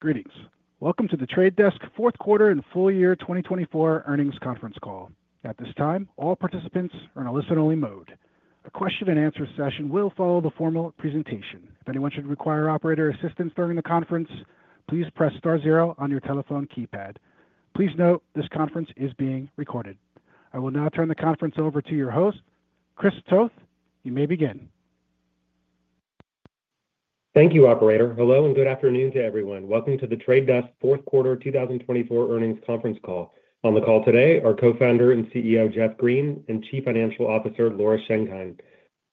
Greetings. Welcome to The Trade Desk fourth quarter and full year 2024 earnings conference call. At this time, all participants are in a listen-only mode. A question-and-answer session will follow the formal presentation. If anyone should require operator assistance during the conference, please press star zero on your telephone keypad. Please note this conference is being recorded. I will now turn the conference over to your host, Chris Toth. You may begin. Thank you, Operator. Hello and good afternoon to everyone. Welcome to The Trade Desk Fourth Quarter 2024 Earnings Conference Call. On the call today are Co-founder and CEO Jeff Green and Chief Financial Officer Laura Schenkein.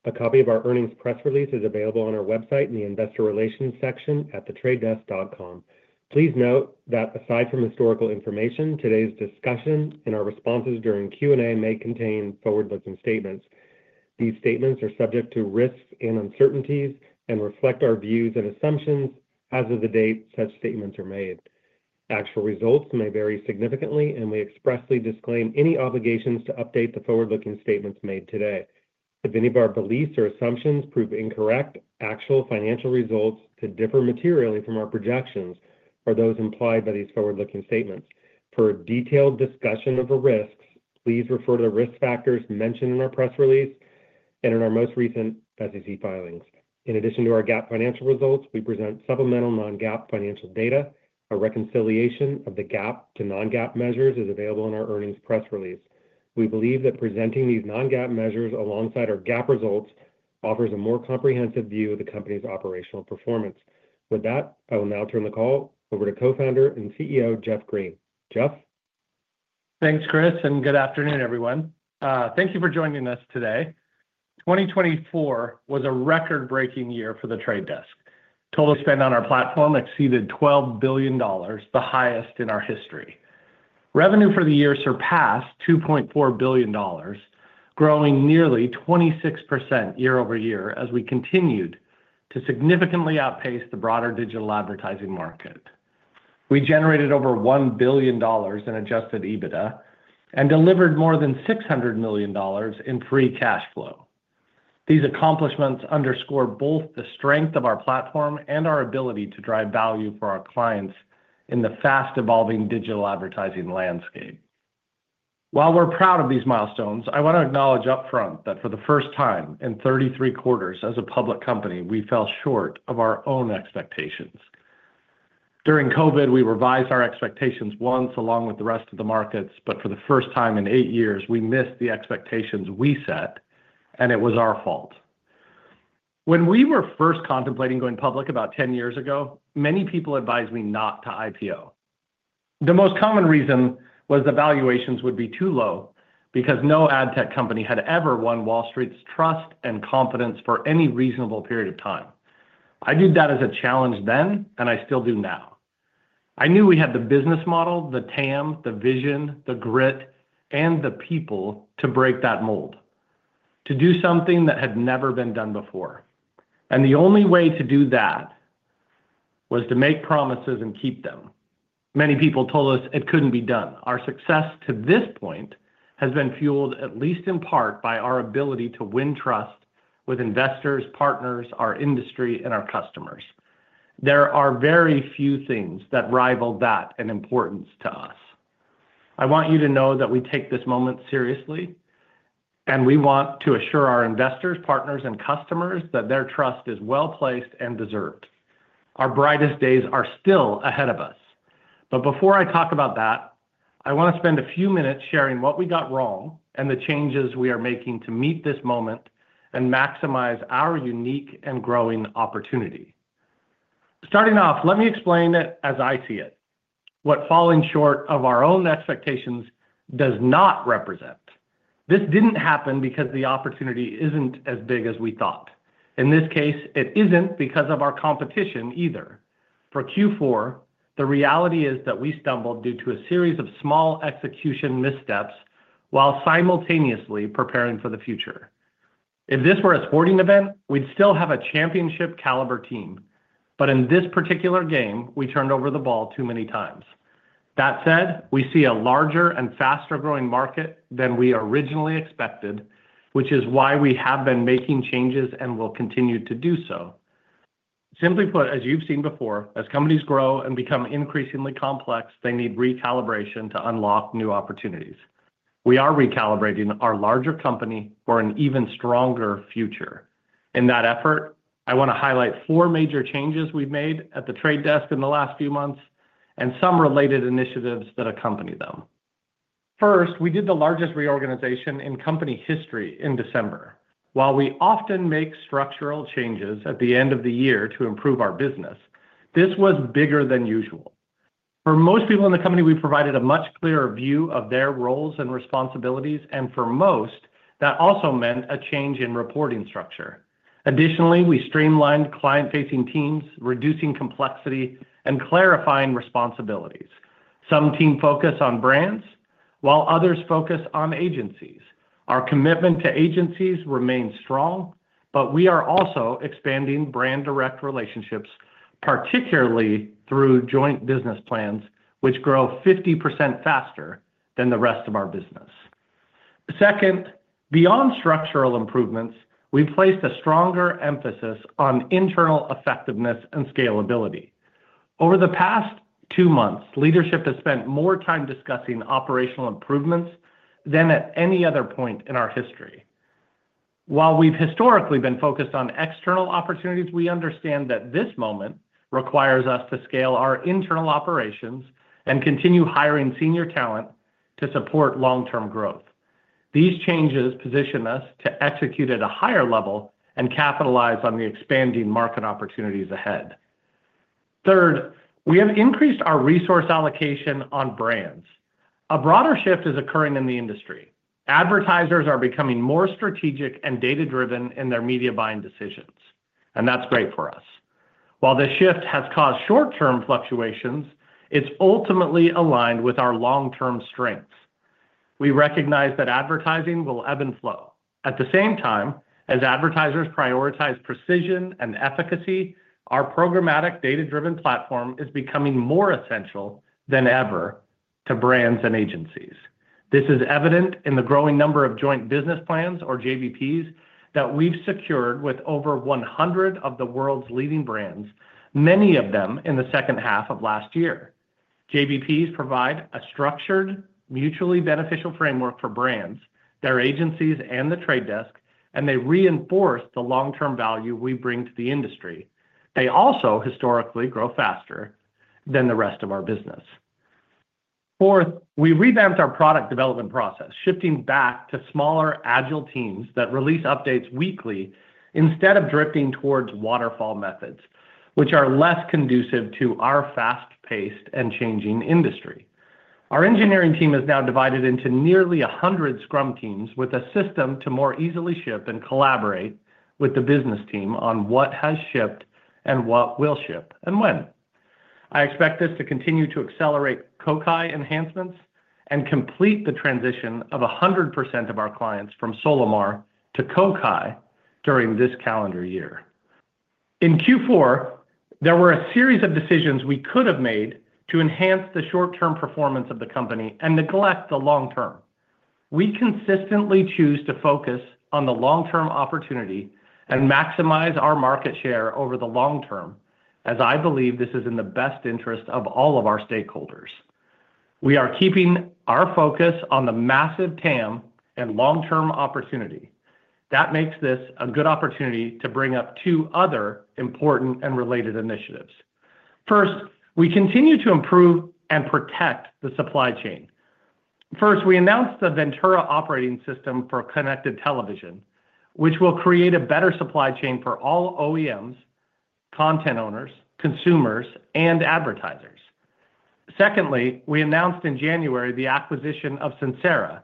A copy of our earnings press release is available on our website in the Investor Relations section at thetradedesk.com. Please note that aside from historical information, today's discussion and our responses during Q&A may contain forward-looking statements. These statements are subject to risks and uncertainties and reflect our views and assumptions as of the date such statements are made. Actual results may vary significantly, and we expressly disclaim any obligations to update the forward-looking statements made today. If any of our beliefs or assumptions prove incorrect, actual financial results could differ materially from our projections or those implied by these forward-looking statements. For a detailed discussion of the risks, please refer to the risk factors mentioned in our press release and in our most recent SEC filings. In addition to our GAAP financial results, we present supplemental non-GAAP financial data. A reconciliation of the GAAP to non-GAAP measures is available in our earnings press release. We believe that presenting these non-GAAP measures alongside our GAAP results offers a more comprehensive view of the company's operational performance. With that, I will now turn the call over to Co-founder and CEO Jeff Green. Jeff? Thanks, Chris, and good afternoon, everyone. Thank you for joining us today. 2024 was a record-breaking year for The Trade Desk. Total spend on our platform exceeded $12 billion, the highest in our history. Revenue for the year surpassed $2.4 billion, growing nearly 26% year-over-year as we continued to significantly outpace the broader digital advertising market. We generated over $1 billion in Adjusted EBITDA and delivered more than $600 million in Free Cash Flow. These accomplishments underscore both the strength of our platform and our ability to drive value for our clients in the fast-evolving digital advertising landscape. While we're proud of these milestones, I want to acknowledge upfront that for the first time in 33 quarters as a public company, we fell short of our own expectations. During COVID, we revised our expectations once along with the rest of the markets, but for the first time in eight years, we missed the expectations we set, and it was our fault. When we were first contemplating going public about 10 years ago, many people advised me not to IPO. The most common reason was the valuations would be too low because no ad tech company had ever won Wall Street's trust and confidence for any reasonable period of time. I viewed that as a challenge then, and I still do now. I knew we had the business model, the TAM, the vision, the grit, and the people to break that mold, to do something that had never been done before, and the only way to do that was to make promises and keep them. Many people told us it couldn't be done. Our success to this point has been fueled at least in part by our ability to win trust with investors, partners, our industry, and our customers. There are very few things that rival that in importance to us. I want you to know that we take this moment seriously, and we want to assure our investors, partners, and customers that their trust is well placed and deserved. Our brightest days are still ahead of us. But before I talk about that, I want to spend a few minutes sharing what we got wrong and the changes we are making to meet this moment and maximize our unique and growing opportunity. Starting off, let me explain it as I see it: what falling short of our own expectations does not represent. This didn't happen because the opportunity isn't as big as we thought. In this case, it isn't because of our competition either. For Q4, the reality is that we stumbled due to a series of small execution missteps while simultaneously preparing for the future. If this were a sporting event, we'd still have a championship-caliber team. But in this particular game, we turned over the ball too many times. That said, we see a larger and faster-growing market than we originally expected, which is why we have been making changes and will continue to do so. Simply put, as you've seen before, as companies grow and become increasingly complex, they need recalibration to unlock new opportunities. We are recalibrating our larger company for an even stronger future. In that effort, I want to highlight four major changes we've made at The Trade Desk in the last few months and some related initiatives that accompany them. First, we did the largest reorganization in company history in December. While we often make structural changes at the end of the year to improve our business, this was bigger than usual. For most people in the company, we provided a much clearer view of their roles and responsibilities, and for most, that also meant a change in reporting structure. Additionally, we streamlined client-facing teams, reducing complexity and clarifying responsibilities. Some teams focus on brands, while others focus on agencies. Our commitment to agencies remains strong, but we are also expanding brand-direct relationships, particularly through joint business plans, which grow 50% faster than the rest of our business. Second, beyond structural improvements, we've placed a stronger emphasis on internal effectiveness and scalability. Over the past two months, leadership has spent more time discussing operational improvements than at any other point in our history. While we've historically been focused on external opportunities, we understand that this moment requires us to scale our internal operations and continue hiring senior talent to support long-term growth. These changes position us to execute at a higher level and capitalize on the expanding market opportunities ahead. Third, we have increased our resource allocation on brands. A broader shift is occurring in the industry. Advertisers are becoming more strategic and data-driven in their media buying decisions, and that's great for us. While this shift has caused short-term fluctuations, it's ultimately aligned with our long-term strengths. We recognize that advertising will EBB & FLOW. At the same time as advertisers prioritize precision and efficacy, our programmatic data-driven platform is becoming more essential than ever to brands and agencies. This is evident in the growing number of joint business plans, or JVPs, that we've secured with over 100 of the world's leading brands, many of them in the second half of last year. JBPs provide a structured, mutually beneficial framework for brands, their agencies, and The Trade Desk, and they reinforce the long-term value we bring to the industry. They also historically grow faster than the rest of our business. Fourth, we revamped our product development process, shifting back to smaller, agile teams that release updates weekly instead of drifting towards waterfall methods, which are less conducive to our fast-paced and changing industry. Our engineering team is now divided into nearly 100 scrum teams with a system to more easily ship and collaborate with the business team on what has shipped and what will ship and when. I expect this to continue to accelerate Kokai enhancements and complete the transition of 100% of our clients from Solimar to Kokai during this calendar year. In Q4, there were a series of decisions we could have made to enhance the short-term performance of the company and neglect the long-term. We consistently choose to focus on the long-term opportunity and maximize our market share over the long term, as I believe this is in the best interest of all of our stakeholders. We are keeping our focus on the massive TAM and long-term opportunity. That makes this a good opportunity to bring up two other important and related initiatives. First, we continue to improve and protect the supply chain. First, we announced the Ventura operating system for connected television, which will create a better supply chain for all OEMs, content owners, consumers, and advertisers. Secondly, we announced in January the acquisition of Sincera.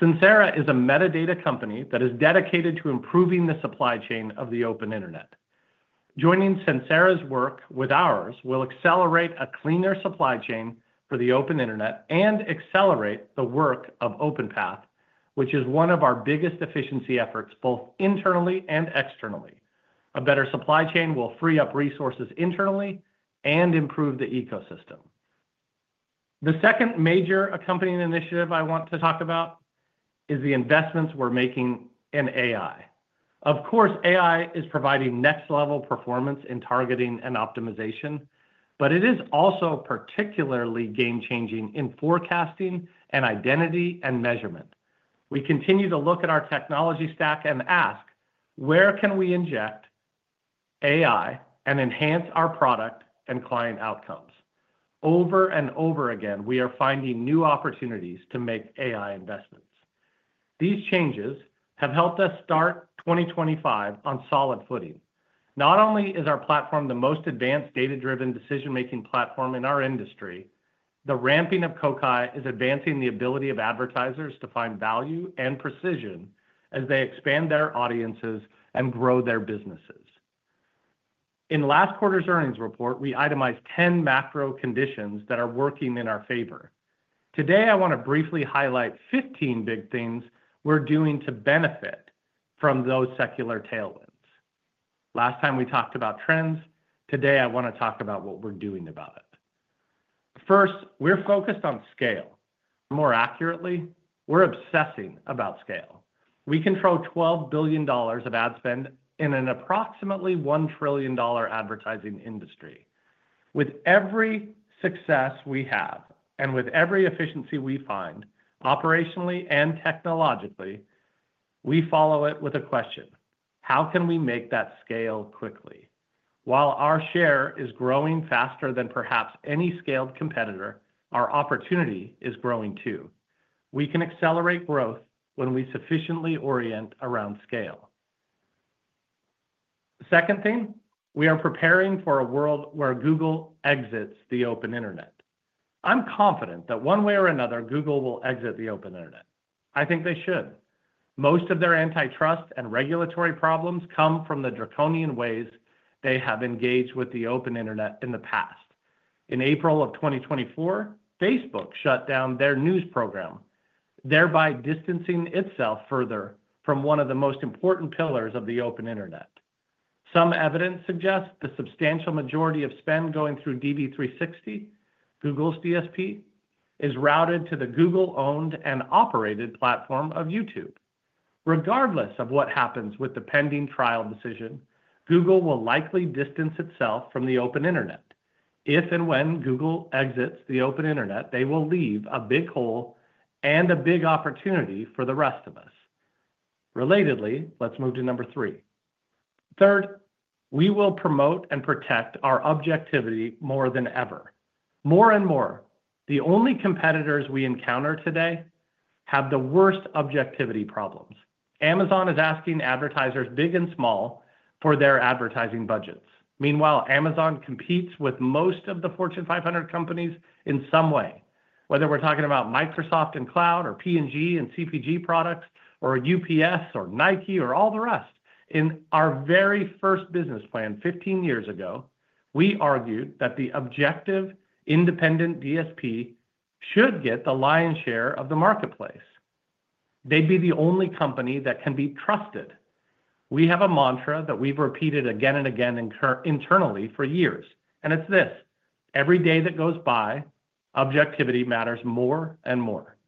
Sincera is a metadata company that is dedicated to improving the supply chain of the open internet. Joining Sincera's work with ours will accelerate a cleaner supply chain for the open internet and accelerate the work of OpenPath, which is one of our biggest efficiency efforts both internally and externally. A better supply chain will free up resources internally and improve the ecosystem. The second major accompanying initiative I want to talk about is the investments we're making in AI. Of course, AI is providing next-level performance in targeting and optimization, but it is also particularly game-changing in forecasting and identity and measurement. We continue to look at our technology stack and ask, where can we inject AI and enhance our product and client outcomes? Over and over again, we are finding new opportunities to make AI investments. These changes have helped us start 2025 on solid footing. Not only is our platform the most advanced data-driven decision-making platform in our industry, the ramping of Kokai is advancing the ability of advertisers to find value and precision as they expand their audiences and grow their businesses. In last quarter's earnings report, we itemized 10 macro conditions that are working in our favor. Today, I want to briefly highlight 15 big things we're doing to benefit from those secular tailwinds. Last time we talked about trends, today I want to talk about what we're doing about it. First, we're focused on scale. More accurately, we're obsessing about scale. We control $12 billion of ad spend in an approximately $1 trillion advertising industry. With every success we have and with every efficiency we find operationally and technologically, we follow it with a question: how can we make that scale quickly? While our share is growing faster than perhaps any scaled competitor, our opportunity is growing too. We can accelerate growth when we sufficiently orient around scale. Second thing, we are preparing for a world where Google exits the open internet. I'm confident that one way or another, Google will exit the open internet. I think they should. Most of their antitrust and regulatory problems come from the draconian ways they have engaged with the open internet in the past. In April of 2024, Facebook shut down their news program, thereby distancing itself further from one of the most important pillars of the open internet. Some evidence suggests the substantial majority of spend going through DV360, Google's DSP, is routed to the Google-owned and operated platform of YouTube. Regardless of what happens with the pending trial decision, Google will likely distance itself from the open internet. If and when Google exits the open internet, they will leave a big hole and a big opportunity for the rest of us. Relatedly, let's move to number three. Third, we will promote and protect our objectivity more than ever. More and more, the only competitors we encounter today have the worst objectivity problems. Amazon is asking advertisers big and small for their advertising budgets. Meanwhile, Amazon competes with most of the Fortune 500 companies in some way. Whether we're talking about Microsoft and cloud or P&G and CPG products or UPS or Nike or all the rest, in our very first business plan 15 years ago, we argued that the objective independent DSP should get the lion's share of the marketplace. They'd be the only company that can be trusted. We have a mantra that we've repeated again and again internally for years, and it's this: every day that goes by, objectivity matters more and more.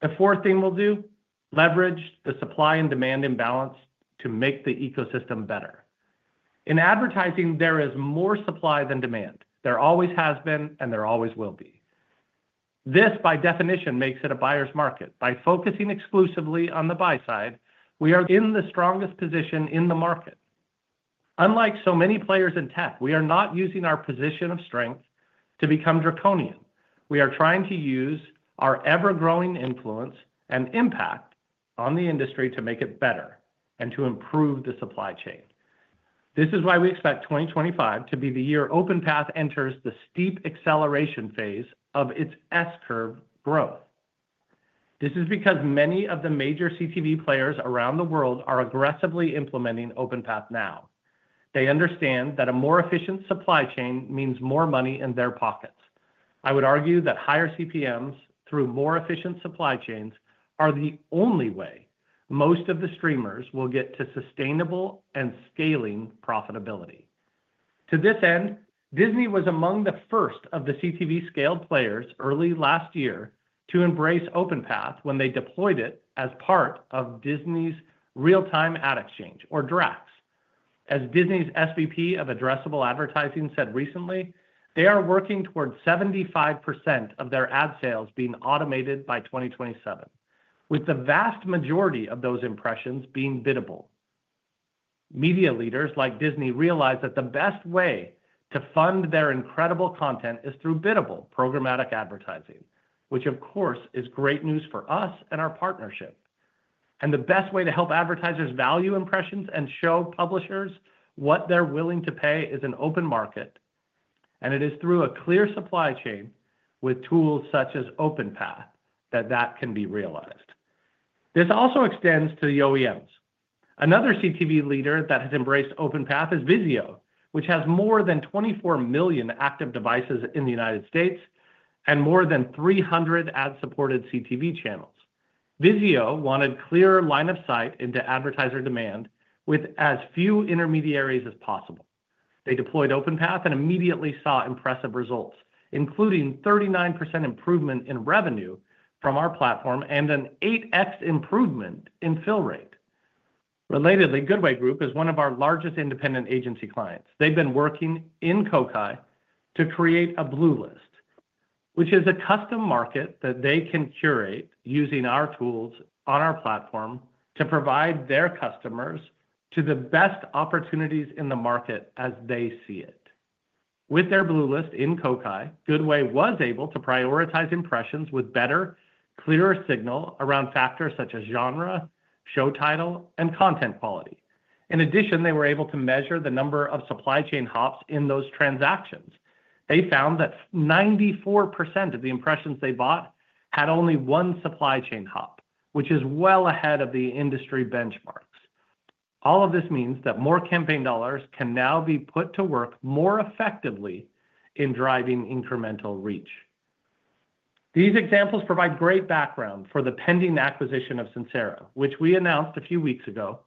The fourth thing we'll do is leverage the supply and demand imbalance to make the ecosystem better. In advertising, there is more supply than demand. There always has been, and there always will be. This, by definition, makes it a buyer's market. By focusing exclusively on the buy side, we are in the strongest position in the market. Unlike so many players in tech, we are not using our position of strength to become draconian. We are trying to use our ever-growing influence and impact on the industry to make it better and to improve the supply chain. This is why we expect 2025 to be the year OpenPath enters the steep acceleration phase of its S-curve growth. This is because many of the major CTV players around the world are aggressively implementing OpenPath now. They understand that a more efficient supply chain means more money in their pockets. I would argue that higher CPMs through more efficient supply chains are the only way most of the streamers will get to sustainable and scaling profitability. To this end, Disney was among the first of the CTV scale players early last year to embrace OpenPath when they deployed it as part of Disney's Real-Time Ad Exchange, or DRAX. As Disney's SVP of Addressable Advertising said recently, they are working toward 75% of their ad sales being automated by 2027, with the vast majority of those impressions being biddable. Media leaders like Disney realize that the best way to fund their incredible content is through biddable programmatic advertising, which, of course, is great news for us and our partnership. The best way to help advertisers value impressions and show publishers what they're willing to pay is an open market, and it is through a clear supply chain with tools such as OpenPath that that can be realized. This also extends to the OEMs. Another CTV leader that has embraced OpenPath is VIZIO, which has more than 24 million active devices in the United States and more than 300 ad-supported CTV channels. VIZIO wanted a clear line of sight into advertiser demand with as few intermediaries as possible. They deployed OpenPath and immediately saw impressive results, including a 39% improvement in revenue from our platform and an 8x improvement in fill rate. Relatedly, Goodway Group is one of our largest independent agency clients. They've been working in Kokai to create a Blue List, which is a custom market that they can curate using our tools on our platform to provide their customers the best opportunities in the market as they see it. With their Blue List in Kokai, Goodway was able to prioritize impressions with better, clearer signal around factors such as genre, show title, and content quality. In addition, they were able to measure the number of supply chain hops in those transactions. They found that 94% of the impressions they bought had only one supply chain hop, which is well ahead of the industry benchmarks. All of this means that more campaign dollars can now be put to work more effectively in driving incremental reach. These examples provide great background for the pending acquisition of Sincera, which we announced a few weeks ago.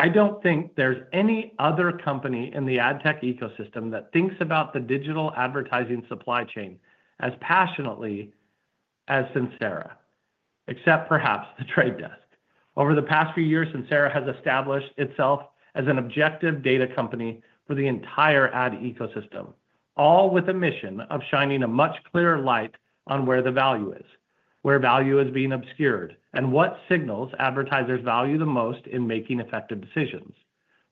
I don't think there's any other company in the ad tech ecosystem that thinks about the digital advertising supply chain as passionately as Sincera, except perhaps The Trade Desk. Over the past few years, Sincera has established itself as an objective data company for the entire ad ecosystem, all with a mission of shining a much clearer light on where the value is, where value is being obscured, and what signals advertisers value the most in making effective decisions.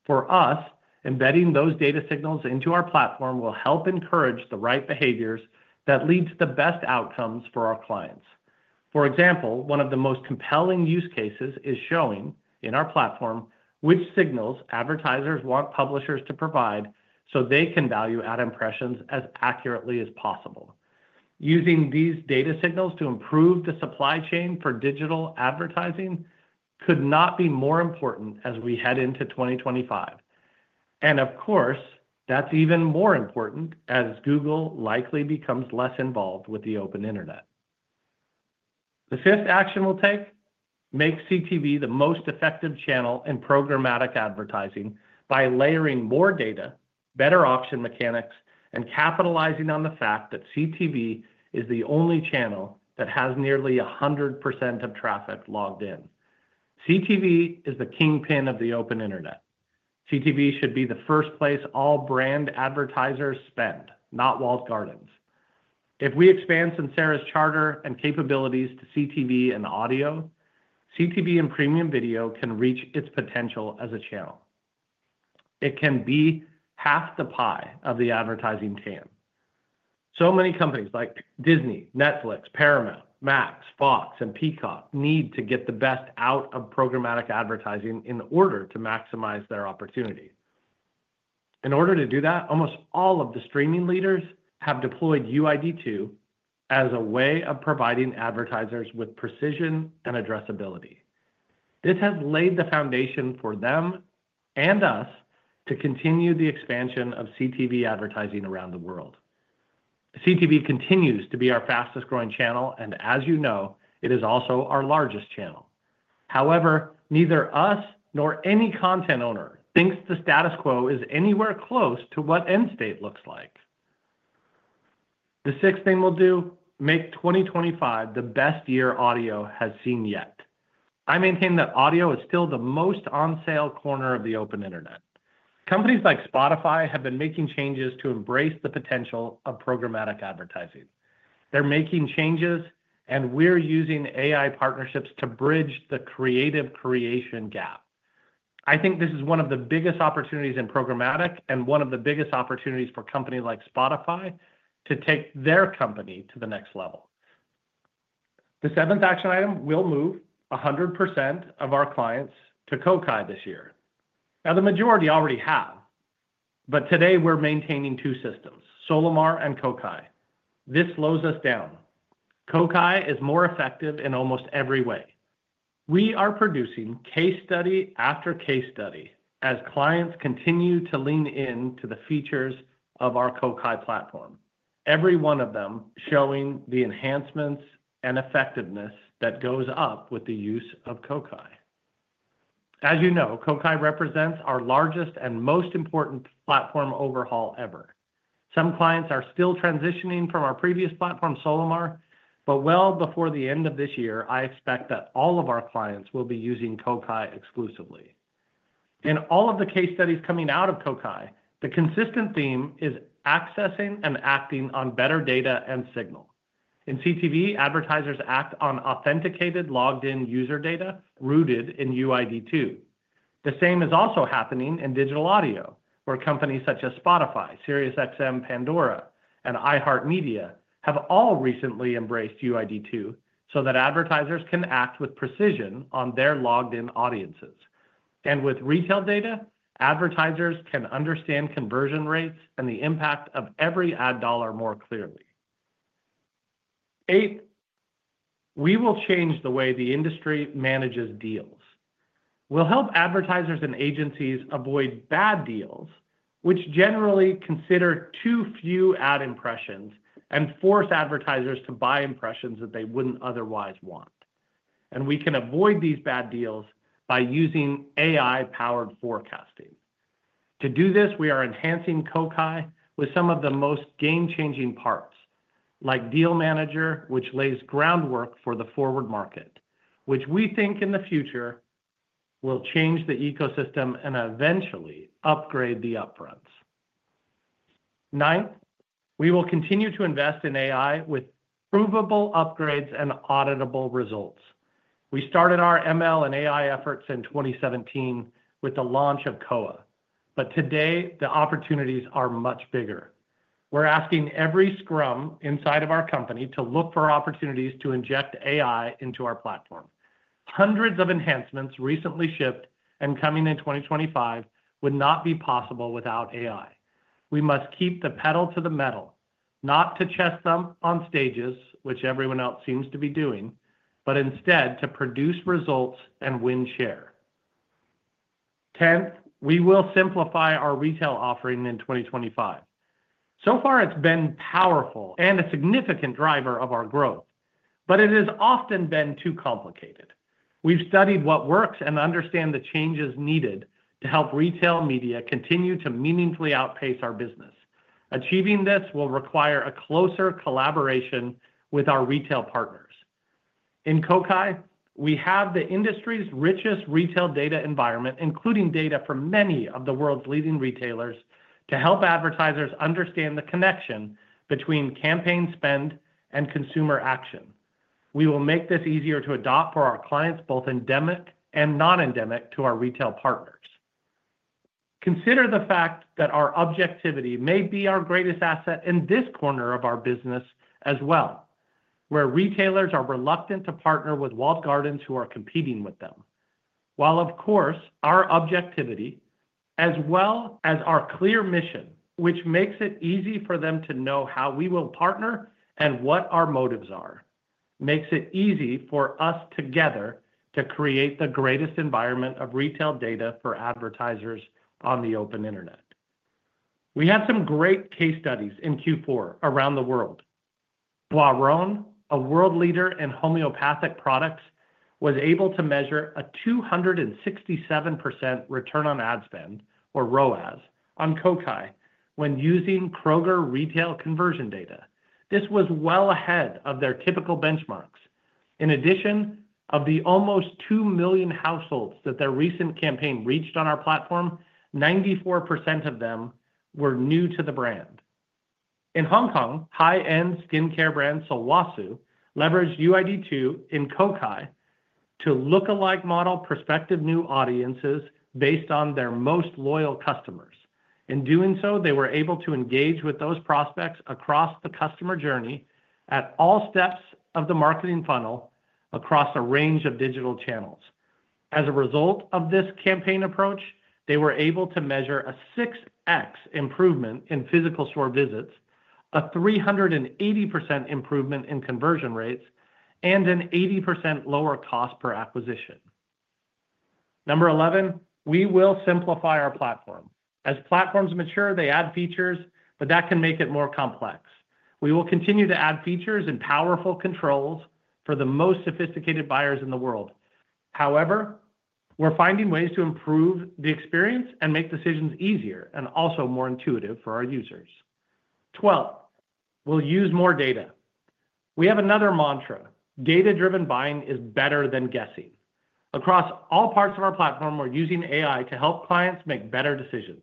For us, embedding those data signals into our platform will help encourage the right behaviors that lead to the best outcomes for our clients. For example, one of the most compelling use cases is showing in our platform which signals advertisers want publishers to provide so they can value ad impressions as accurately as possible. Using these data signals to improve the supply chain for digital advertising could not be more important as we head into 2025. Of course, that's even more important as Google likely becomes less involved with the open internet. The fifth action we'll take is to make CTV the most effective channel in programmatic advertising by layering more data, better auction mechanics, and capitalizing on the fact that CTV is the only channel that has nearly 100% of traffic logged in. CTV is the kingpin of the open internet. CTV should be the first place all brand advertisers spend, not walled gardens. If we expand Sincera's charter and capabilities to CTV and audio, CTV and premium video can reach its potential as a channel. It can be half the pie of the advertising TAM. So many companies like Disney, Netflix, Paramount, Max, Fox, and Peacock need to get the best out of programmatic advertising in order to maximize their opportunity. In order to do that, almost all of the streaming leaders have deployed UID2 as a way of providing advertisers with precision and addressability. This has laid the foundation for them and us to continue the expansion of CTV advertising around the world. CTV continues to be our fastest-growing channel, and as you know, it is also our largest channel. However, neither us nor any content owner thinks the status quo is anywhere close to what end state looks like. The sixth thing we'll do is make 2025 the best year audio has seen yet. I maintain that audio is still the most on-sale corner of the open internet. Companies like Spotify have been making changes to embrace the potential of programmatic advertising. They're making changes, and we're using AI partnerships to bridge the creative creation gap. I think this is one of the biggest opportunities in programmatic and one of the biggest opportunities for companies like Spotify to take their company to the next level. The seventh action item will move 100% of our clients to Kokai this year. Now, the majority already have, but today we're maintaining two systems: Solimar and Kokai. This slows us down. Kokai is more effective in almost every way. We are producing case study after case study as clients continue to lean into the features of our Kokai platform, every one of them showing the enhancements and effectiveness that goes up with the use of Kokai. As you know, Kokai represents our largest and most important platform overhaul ever. Some clients are still transitioning from our previous platform, Solimar, but well before the end of this year, I expect that all of our clients will be using Kokai exclusively. In all of the case studies coming out of Kokai, the consistent theme is accessing and acting on better data and signal. In CTV, advertisers act on authenticated logged-in user data rooted in UID2. The same is also happening in digital audio, where companies such as Spotify, SiriusXM, Pandora, and iHeartMedia have all recently embraced UID2 so that advertisers can act with precision on their logged-in audiences. And with retail data, advertisers can understand conversion rates and the impact of every ad dollar more clearly. Eighth, we will change the way the industry manages deals. We'll help advertisers and agencies avoid bad deals, which generally consider too few ad impressions and force advertisers to buy impressions that they wouldn't otherwise want, and we can avoid these bad deals by using AI-powered forecasting. To do this, we are enhancing Kokai with some of the most game-changing parts, like Deal Manager, which lays groundwork for the forward market, which we think in the future will change the ecosystem and eventually upgrade the upfronts. Ninth, we will continue to invest in AI with provable upgrades and auditable results. We started our ML and AI efforts in 2017 with the launch of Koa, but today the opportunities are much bigger. We're asking every scrum inside of our company to look for opportunities to inject AI into our platform. Hundreds of enhancements recently shipped, and coming in 2025, would not be possible without AI. We must keep the pedal to the metal, not to best them on stages, which everyone else seems to be doing, but instead to produce results and win share. Tenth, we will simplify our retail offering in 2025. So far, it's been powerful and a significant driver of our growth, but it has often been too complicated. We've studied what works and understand the changes needed to help retail media continue to meaningfully outpace our business. Achieving this will require a closer collaboration with our retail partners. In Kokai, we have the industry's richest retail data environment, including data from many of the world's leading retailers, to help advertisers understand the connection between campaign spend and consumer action. We will make this easier to adopt for our clients, both endemic and non-endemic, to our retail partners. Consider the fact that our objectivity may be our greatest asset in this corner of our business as well, where retailers are reluctant to partner with walled gardens, who are competing with them. While, of course, our objectivity, as well as our clear mission, which makes it easy for them to know how we will partner and what our motives are, makes it easy for us together to create the greatest environment of retail data for advertisers on the open internet. We had some great case studies in Q4 around the world. Boiron, a world leader in homeopathic products, was able to measure a 267% return on ad spend, or ROAS, on Kokai when using Kroger retail conversion data. This was well ahead of their typical benchmarks. In addition, of the almost 2 million households that their recent campaign reached on our platform, 94% of them were new to the brand. In Hong Kong, high-end skincare brand Sulwhasoo leveraged UID2 in Kokai to look-alike model prospective new audiences based on their most loyal customers. In doing so, they were able to engage with those prospects across the customer journey at all steps of the marketing funnel across a range of digital channels. As a result of this campaign approach, they were able to measure a 6x improvement in physical store visits, a 380% improvement in conversion rates, and an 80% lower cost per acquisition. Number 11, we will simplify our platform. As platforms mature, they add features, but that can make it more complex. We will continue to add features and powerful controls for the most sophisticated buyers in the world. However, we're finding ways to improve the experience and make decisions easier and also more intuitive for our users. 12, we'll use more data. We have another mantra: data-driven buying is better than guessing. Across all parts of our platform, we're using AI to help clients make better decisions,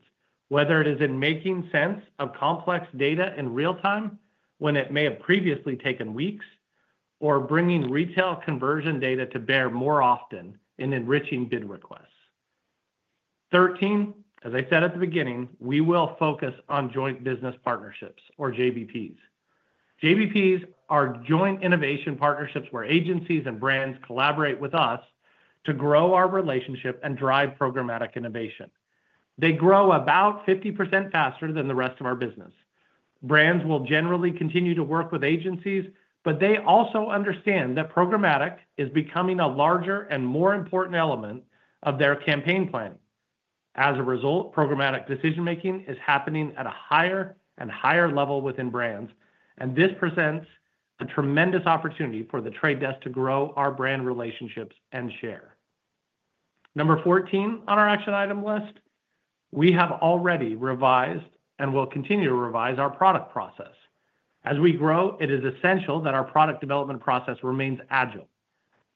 whether it is in making sense of complex data in real time when it may have previously taken weeks or bringing retail conversion data to bear more often in enriching bid requests. 13, as I said at the beginning, we will focus on joint business partnerships, or JBPs. JBPs are joint innovation partnerships where agencies and brands collaborate with us to grow our relationship and drive programmatic innovation. They grow about 50% faster than the rest of our business. Brands will generally continue to work with agencies, but they also understand that programmatic is becoming a larger and more important element of their campaign planning. As a result, programmatic decision-making is happening at a higher and higher level within brands, and this presents a tremendous opportunity for The Trade Desk to grow our brand relationships and share. Number 14 on our action item list, we have already revised and will continue to revise our product process. As we grow, it is essential that our product development process remains agile,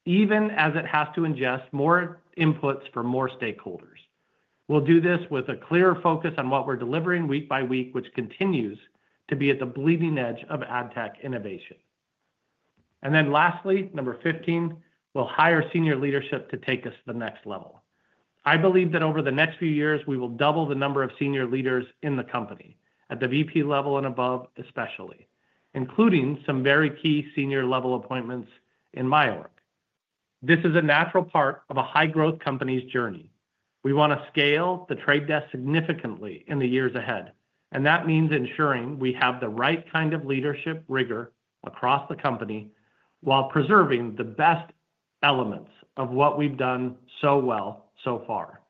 even as it has to ingest more inputs from more stakeholders. We'll do this with a clear focus on what we're delivering week by week, which continues to be at the bleeding edge of ad tech innovation. And then lastly, number 15, we'll hire senior leadership to take us to the next level. I believe that over the next few years, we will double the number of senior leaders in the company at the VP level and above, especially, including some very key senior-level appointments in my org. This is a natural part of a high-growth company's journey. We want to scale The Trade Desk significantly in the years ahead, and that means ensuring we have the right kind of leadership rigor across the company while preserving the best elements of what we've done so well so far.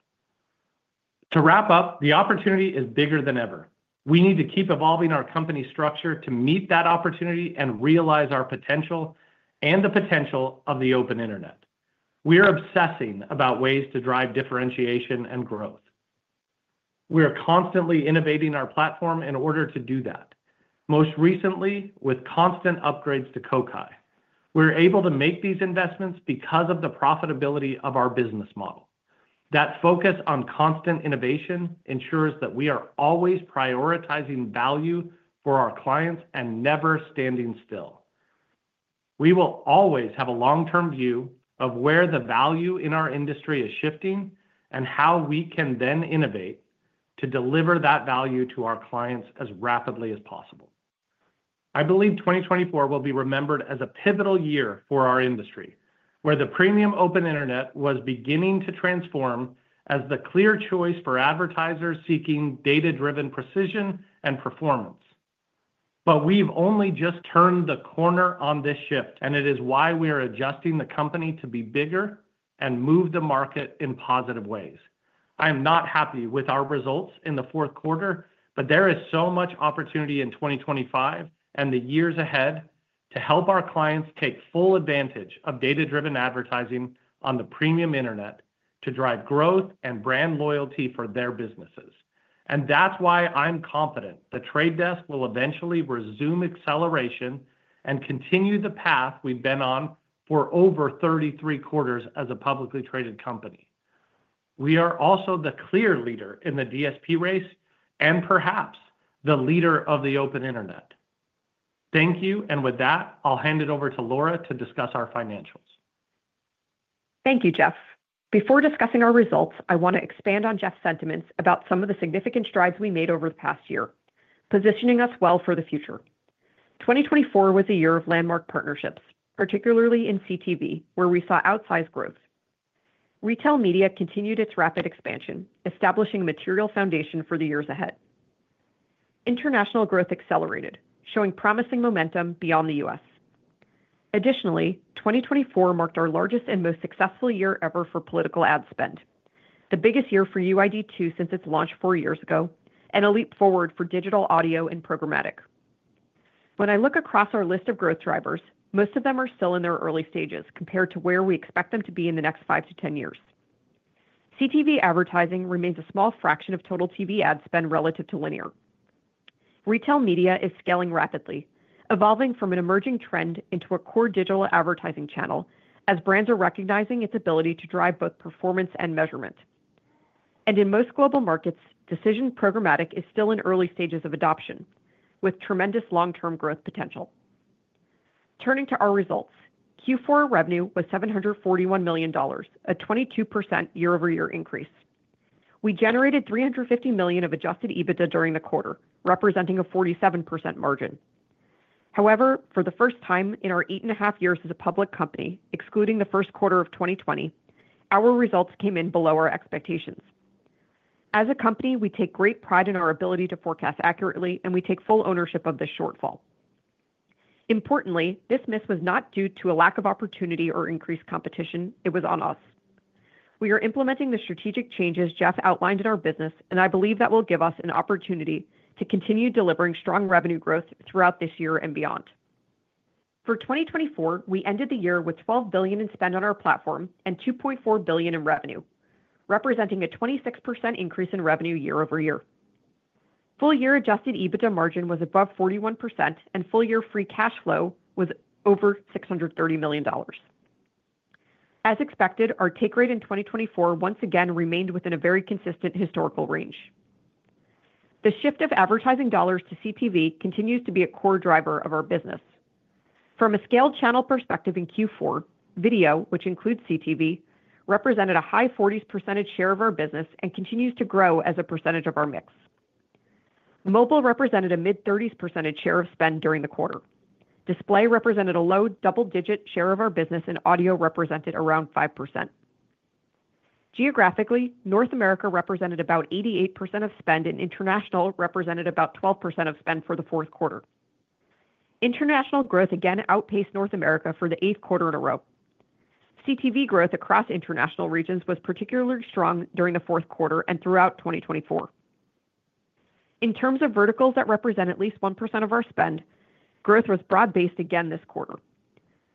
To wrap up, the opportunity is bigger than ever. We need to keep evolving our company structure to meet that opportunity and realize our potential and the potential of the open internet. We are obsessing about ways to drive differentiation and growth. We are constantly innovating our platform in order to do that. Most recently, with constant upgrades to Kokai, we're able to make these investments because of the profitability of our business model. That focus on constant innovation ensures that we are always prioritizing value for our clients and never standing still. We will always have a long-term view of where the value in our industry is shifting and how we can then innovate to deliver that value to our clients as rapidly as possible. I believe 2024 will be remembered as a pivotal year for our industry, where the premium open internet was beginning to transform as the clear choice for advertisers seeking data-driven precision and performance. But we've only just turned the corner on this shift, and it is why we are adjusting the company to be bigger and move the market in positive ways. I am not happy with our results in the fourth quarter, but there is so much opportunity in 2025 and the years ahead to help our clients take full advantage of data-driven advertising on the premium internet to drive growth and brand loyalty for their businesses. And that's why I'm confident The Trade Desk will eventually resume acceleration and continue the path we've been on for over 33 quarters as a publicly traded company. We are also the clear leader in the DSP race and perhaps the leader of the open internet. Thank you, and with that, I'll hand it over to Laura to discuss our financials. Thank you, Jeff. Before discussing our results, I want to expand on Jeff's sentiments about some of the significant strides we made over the past year, positioning us well for the future. 2024 was a year of landmark partnerships, particularly in CTV, where we saw outsized growth. Retail media continued its rapid expansion, establishing a material foundation for the years ahead. International growth accelerated, showing promising momentum beyond the U.S. Additionally, 2024 marked our largest and most successful year ever for political ad spend, the biggest year for UID2 since its launch four years ago, and a leap forward for digital audio and programmatic. When I look across our list of growth drivers, most of them are still in their early stages compared to where we expect them to be in the next five to 10 years. CTV advertising remains a small fraction of total TV ad spend relative to linear. Retail media is scaling rapidly, evolving from an emerging trend into a core digital advertising channel as brands are recognizing its ability to drive both performance and measurement. In most global markets, desktop programmatic is still in early stages of adoption, with tremendous long-term growth potential. Turning to our results, Q4 revenue was $741 million, a 22% year-over-year increase. We generated $350 million of Adjusted EBITDA during the quarter, representing a 47% margin. However, for the first time in our eight and a half years as a public company, excluding the first quarter of 2020, our results came in below our expectations. As a company, we take great pride in our ability to forecast accurately, and we take full ownership of this shortfall. Importantly, this miss was not due to a lack of opportunity or increased competition. It was on us. We are implementing the strategic changes Jeff outlined in our business, and I believe that will give us an opportunity to continue delivering strong revenue growth throughout this year and beyond. For 2024, we ended the year with $12 billion in spend on our platform and $2.4 billion in revenue, representing a 26% increase in revenue year-over-year. Full-year Adjusted EBITDA margin was above 41%, and full-year free cash flow was over $630 million. As expected, our take rate in 2024 once again remained within a very consistent historical range. The shift of advertising dollars to CTV continues to be a core driver of our business. From a scaled channel perspective in Q4, video, which includes CTV, represented a high 40s% share of our business and continues to grow as a percentage of our mix. Mobile represented a mid-30s% share of spend during the quarter. Display represented a low double-digit share of our business, and audio represented around 5%. Geographically, North America represented about 88% of spend, and international represented about 12% of spend for the fourth quarter. International growth again outpaced North America for the eighth quarter in a row. CTV growth across international regions was particularly strong during the fourth quarter and throughout 2024. In terms of verticals that represent at least 1% of our spend, growth was broad-based again this quarter.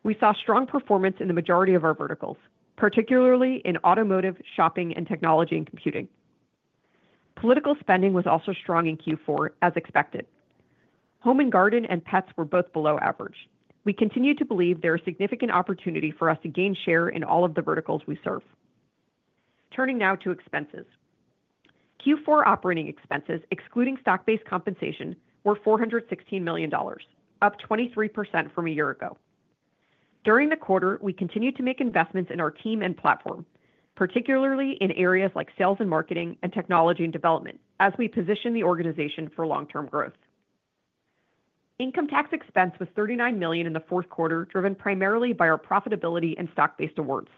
We saw strong performance in the majority of our verticals, particularly in automotive, shopping, and technology and computing. Political spending was also strong in Q4, as expected. Home and garden and pets were both below average. We continue to believe there is significant opportunity for us to gain share in all of the verticals we serve. Turning now to expenses. Q4 operating expenses, excluding stock-based compensation, were $416 million, up 23% from a year ago. During the quarter, we continued to make investments in our team and platform, particularly in areas like sales and marketing and technology and development, as we position the organization for long-term growth. Income tax expense was $39 million in the fourth quarter, driven primarily by our profitability and stock-based awards.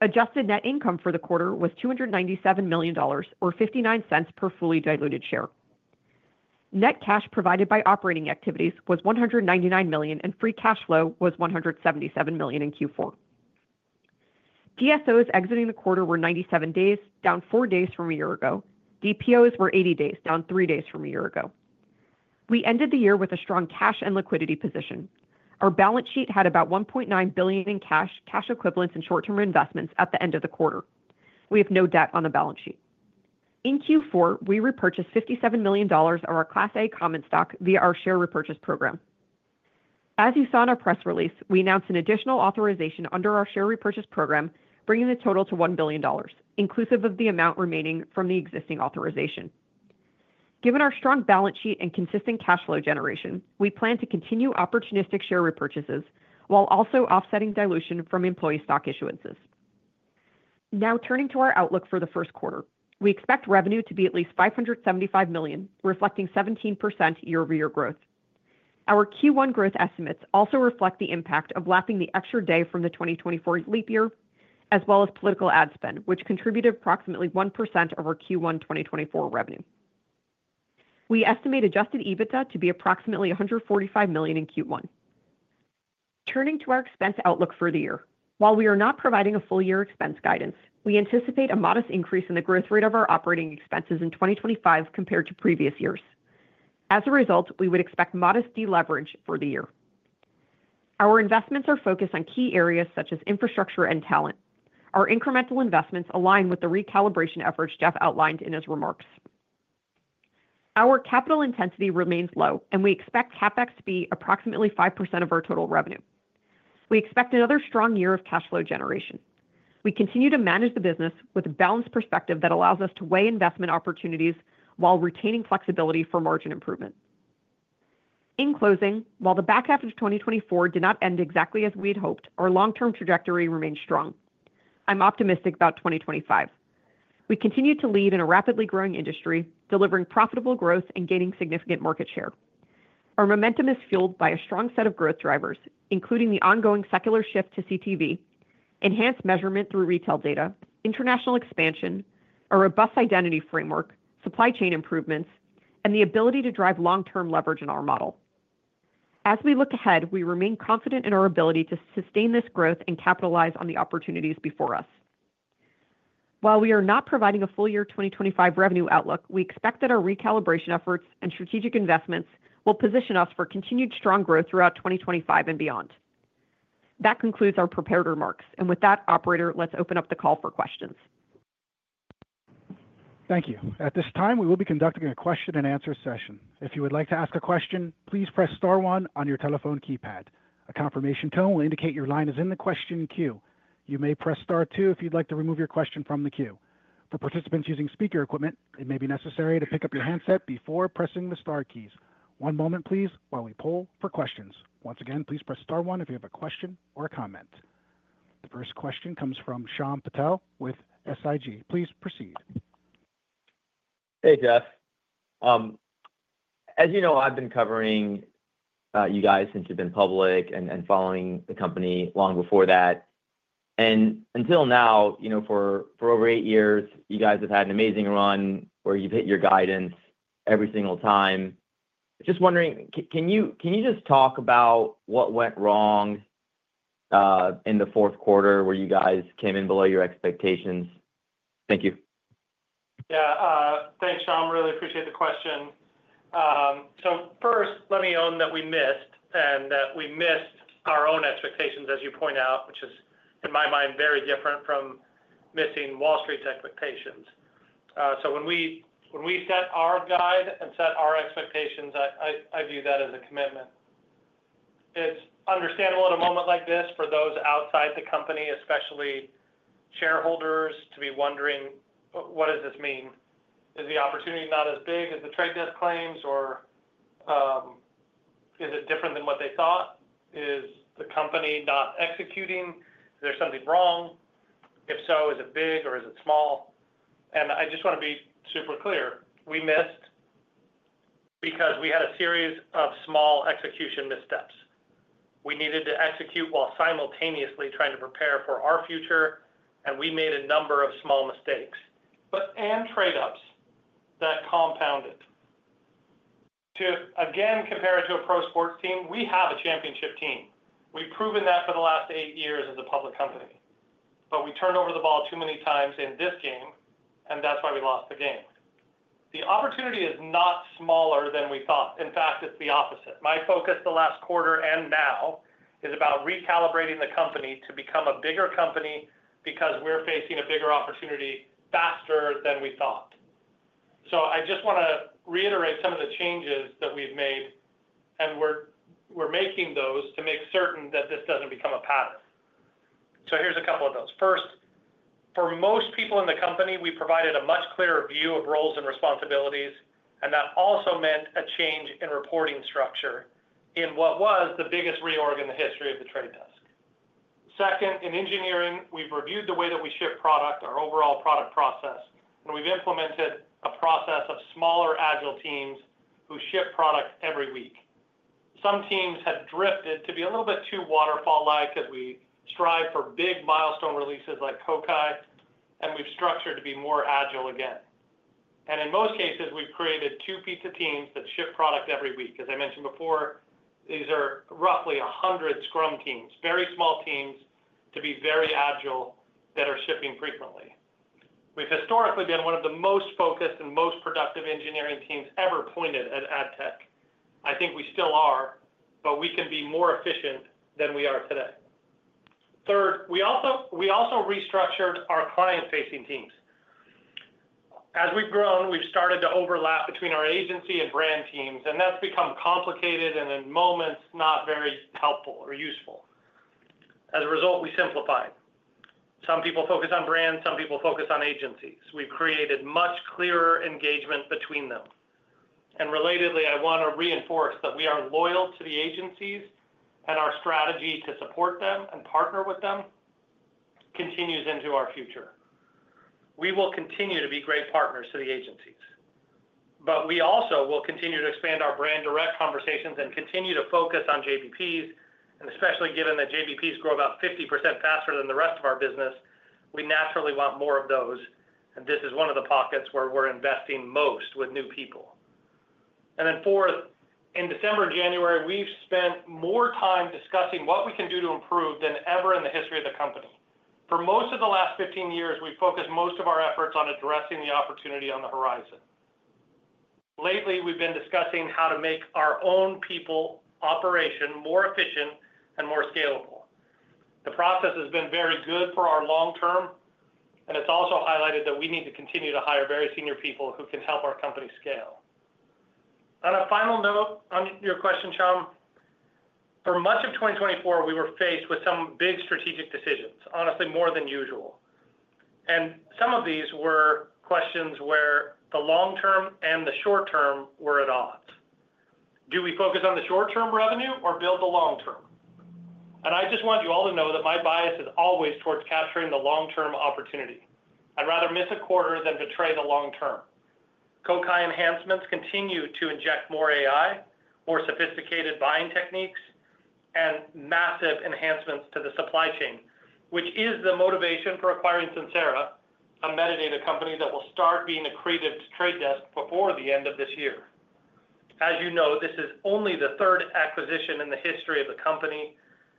Adjusted net income for the quarter was $297 million, or $0.59 per fully diluted share. Net cash provided by operating activities was $199 million, and free cash flow was $177 million in Q4. DSOs exiting the quarter were 97 days, down 4 days from a year ago. DPOs were 80 days, down 3 days from a year ago. We ended the year with a strong cash and liquidity position. Our balance sheet had about $1.9 billion in cash, cash equivalents, and short-term investments at the end of the quarter. We have no debt on the balance sheet. In Q4, we repurchased $57 million of our Class A Common Stock via our share repurchase program. As you saw in our press release, we announced an additional authorization under our share repurchase program, bringing the total to $1 billion, inclusive of the amount remaining from the existing authorization. Given our strong balance sheet and consistent cash flow generation, we plan to continue opportunistic share repurchases while also offsetting dilution from employee stock issuances. Now, turning to our outlook for the first quarter, we expect revenue to be at least $575 million, reflecting 17% year-over-year growth. Our Q1 growth estimates also reflect the impact of lapping the extra day from the 2024 leap year, as well as political ad spend, which contributed approximately 1% of our Q1 2024 revenue. We estimate Adjusted EBITDA to be approximately $145 million in Q1. Turning to our expense outlook for the year, while we are not providing a full-year expense guidance, we anticipate a modest increase in the growth rate of our operating expenses in 2025 compared to previous years. As a result, we would expect modest deleverage for the year. Our investments are focused on key areas such as infrastructure and talent. Our incremental investments align with the recalibration efforts Jeff outlined in his remarks. Our capital intensity remains low, and we expect CapEx to be approximately 5% of our total revenue. We expect another strong year of cash flow generation. We continue to manage the business with a balanced perspective that allows us to weigh investment opportunities while retaining flexibility for margin improvement. In closing, while the back half of 2024 did not end exactly as we had hoped, our long-term trajectory remains strong. I'm optimistic about 2025. We continue to lead in a rapidly growing industry, delivering profitable growth and gaining significant market share. Our momentum is fueled by a strong set of growth drivers, including the ongoing secular shift to CTV, enhanced measurement through retail data, international expansion, a robust identity framework, supply chain improvements, and the ability to drive long-term leverage in our model. As we look ahead, we remain confident in our ability to sustain this growth and capitalize on the opportunities before us. While we are not providing a full-year 2025 revenue outlook, we expect that our recalibration efforts and strategic investments will position us for continued strong growth throughout 2025 and beyond. That concludes our prepared remarks, and with that, Operator, let's open up the call for questions. Thank you. At this time, we will be conducting a question-and-answer session. If you would like to ask a question, please press star one on your telephone keypad. A confirmation tone will indicate your line is in the question queue. You may press star two if you'd like to remove your question from the queue. For participants using speaker equipment, it may be necessary to pick up your handset before pressing the Star keys. One moment, please, while we pull for questions. Once again, please press star one if you have a question or a comment. The first question comes from Shyam Patil with SIG. Please proceed. Hey, Jeff. As you know, I've been covering you guys since you've been public and following the company long before that. And until now, for over eight years, you guys have had an amazing run where you've hit your guidance every single time. Just wondering, can you just talk about what went wrong in the fourth quarter where you guys came in below your expectations? Thank you. Yeah. Thanks, Shyam. Really appreciate the question, so first, let me own that we missed and that we missed our own expectations, as you point out, which is, in my mind, very different from missing Wall Street's expectations, so when we set our guide and set our expectations, I view that as a commitment. It's understandable in a moment like this for those outside the company, especially shareholders, to be wondering, "What does this mean? Is the opportunity not as big as The Trade Desk claims, or is it different than what they thought? Is the company not executing? Is there something wrong? If so, is it big or is it small?", and I just want to be super clear. We missed because we had a series of small execution missteps. We needed to execute while simultaneously trying to prepare for our future, and we made a number of small mistakes but trade-offs that compounded. To again compare it to a pro sports team, we have a championship team. We've proven that for the last eight years as a public company, but we turned over the ball too many times in this game, and that's why we lost the game. The opportunity is not smaller than we thought. In fact, it's the opposite. My focus the last quarter and now is about recalibrating the company to become a bigger company because we're facing a bigger opportunity faster than we thought, so I just want to reiterate some of the changes that we've made, and we're making those to make certain that this doesn't become a pattern. Here’s a couple of those. First, for most people in the company, we provided a much clearer view of roles and responsibilities, and that also meant a change in reporting structure in what was the biggest reorg in the history of The Trade Desk. Second, in engineering, we’ve reviewed the way that we ship product, our overall product process, and we’ve implemented a process of smaller agile teams who ship product every week. Some teams have drifted to be a little bit too waterfall-like as we strive for big milestone releases like Kokai, and we’ve structured to be more agile again, and in most cases, we’ve created two-person teams that ship product every week. As I mentioned before, these are roughly 100 scrum teams, very small teams to be very agile that are shipping frequently. We've historically been one of the most focused and most productive engineering teams ever pointed at AdTech. I think we still are, but we can be more efficient than we are today. Third, we also restructured our client-facing teams. As we've grown, we've started to overlap between our agency and brand teams, and that's become complicated and in moments not very helpful or useful. As a result, we simplified. Some people focus on brands, some people focus on agencies. We've created much clearer engagement between them. And relatedly, I want to reinforce that we are loyal to the agencies and our strategy to support them and partner with them continues into our future. We will continue to be great partners to the agencies, but we also will continue to expand our brand direct conversations and continue to focus on JBPs. And especially given that JBPs grow about 50% faster than the rest of our business, we naturally want more of those, and this is one of the pockets where we're investing most with new people. And then fourth, in December and January, we've spent more time discussing what we can do to improve than ever in the history of the company. For most of the last 15 years, we've focused most of our efforts on addressing the opportunity on the horizon. Lately, we've been discussing how to make our own people operation more efficient and more scalable. The process has been very good for our long term, and it's also highlighted that we need to continue to hire very senior people who can help our company scale. On a final note on your question, Shyam, for much of 2024, we were faced with some big strategic decisions, honestly, more than usual. Some of these were questions where the long term and the short term were at odds. Do we focus on the short term revenue or build the long term? I just want you all to know that my bias is always towards capturing the long term opportunity. I'd rather miss a quarter than betray the long term. Kokai enhancements continue to inject more AI, more sophisticated buying techniques, and massive enhancements to the supply chain, which is the motivation for acquiring Sincera, a metadata company that will start being accredited to The Trade Desk before the end of this year. As you know, this is only the third acquisition in the history of the company.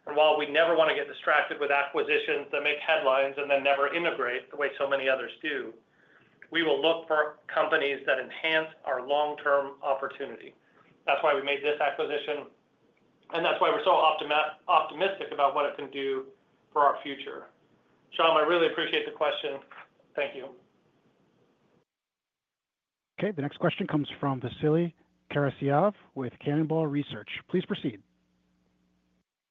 And while we never want to get distracted with acquisitions that make headlines and then never integrate the way so many others do, we will look for companies that enhance our long term opportunity. That's why we made this acquisition, and that's why we're so optimistic about what it can do for our future. Shyam, I really appreciate the question. Thank you. Okay. The next question comes from Vasily Karasyov with Cannonball Research. Please proceed.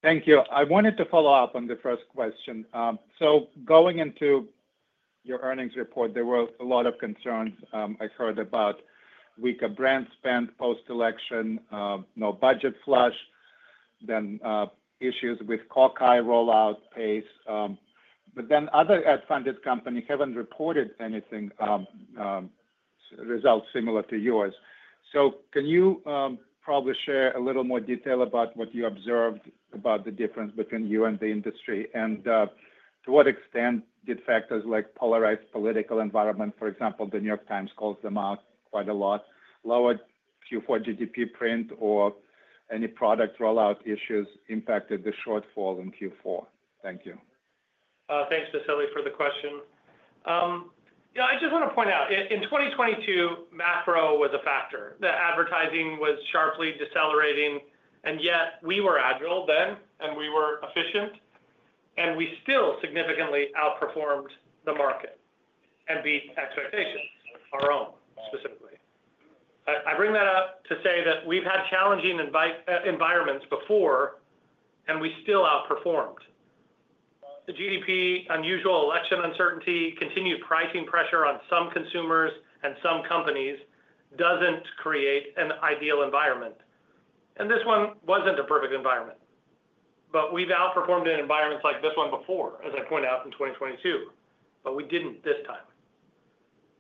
Thank you. I wanted to follow up on the first question. So going into your earnings report, there were a lot of concerns I heard about weaker brand spend post-election, no budget flush, then issues with Kokai rollout pace. But then other ad funded companies haven't reported anything results similar to yours. So can you probably share a little more detail about what you observed about the difference between you and the industry? To what extent did factors like polarized political environment, for example, The New York Times calls them out quite a lot, lower Q4 GDP print or any product rollout issues impact the shortfall in Q4? Thank you. Thanks, Vasily, for the question. Yeah, I just want to point out, in 2022, macro was a factor. The advertising was sharply decelerating, and yet we were agile then, and we were efficient, and we still significantly outperformed the market and beat expectations, our own specifically. I bring that up to say that we've had challenging environments before, and we still outperformed. The GDP, unusual election uncertainty, continued pricing pressure on some consumers and some companies doesn't create an ideal environment. This one wasn't a perfect environment, but we've outperformed in environments like this one before, as I point out, in 2022, but we didn't this time.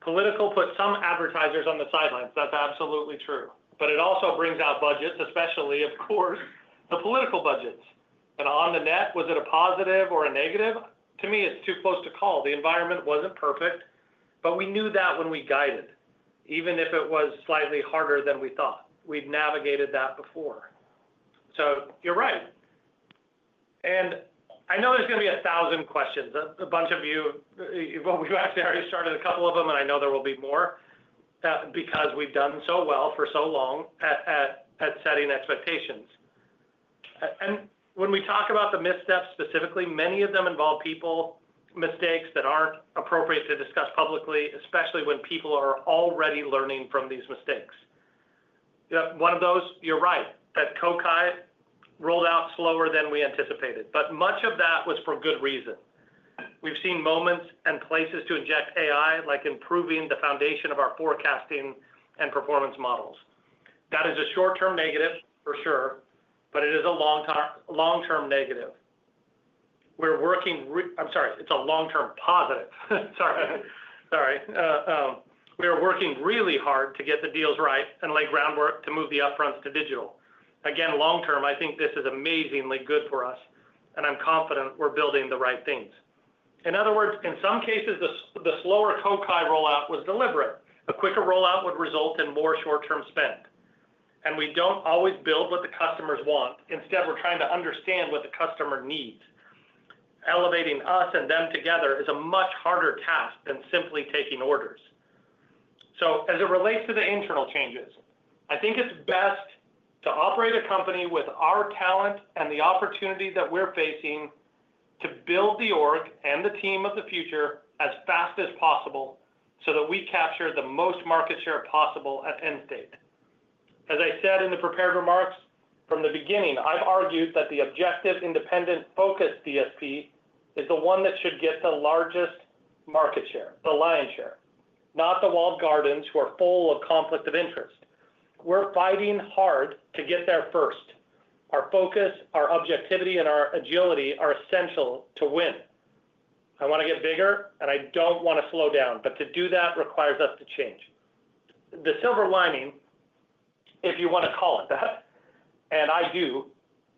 Politics put some advertisers on the sidelines. That's absolutely true. But it also brings out budgets, especially, of course, the political budgets. And on the net, was it a positive or a negative? To me, it's too close to call. The environment wasn't perfect, but we knew that when we guided, even if it was slightly harder than we thought. We'd navigated that before. So you're right. And I know there's going to be a thousand questions. A bunch of you, well, we've actually already started a couple of them, and I know there will be more because we've done so well for so long at setting expectations. And when we talk about the missteps specifically, many of them involve people, mistakes that aren't appropriate to discuss publicly, especially when people are already learning from these mistakes. One of those, you're right, that Kokai rolled out slower than we anticipated. But much of that was for good reason. We've seen moments and places to inject AI, like improving the foundation of our forecasting and performance models. That is a short-term negative, for sure, but it is a long-term negative. We're working. I'm sorry, it's a long-term positive. Sorry. Sorry. We are working really hard to get the deals right and lay groundwork to move the upfronts to digital. Again, long term, I think this is amazingly good for us, and I'm confident we're building the right things. In other words, in some cases, the slower Kokai rollout was deliberate. A quicker rollout would result in more short-term spend. And we don't always build what the customers want. Instead, we're trying to understand what the customer needs. Elevating us and them together is a much harder task than simply taking orders. So as it relates to the internal changes, I think it's best to operate a company with our talent and the opportunity that we're facing to build the org and the team of the future as fast as possible so that we capture the most market share possible at end state. As I said in the prepared remarks, from the beginning, I've argued that the objective independent focus DSP is the one that should get the largest market share, the lion's share, not the walled gardens who are full of conflict of interest. We're fighting hard to get there first. Our focus, our objectivity, and our agility are essential to win. I want to get bigger, and I don't want to slow down, but to do that requires us to change. The silver lining, if you want to call it that, and I do,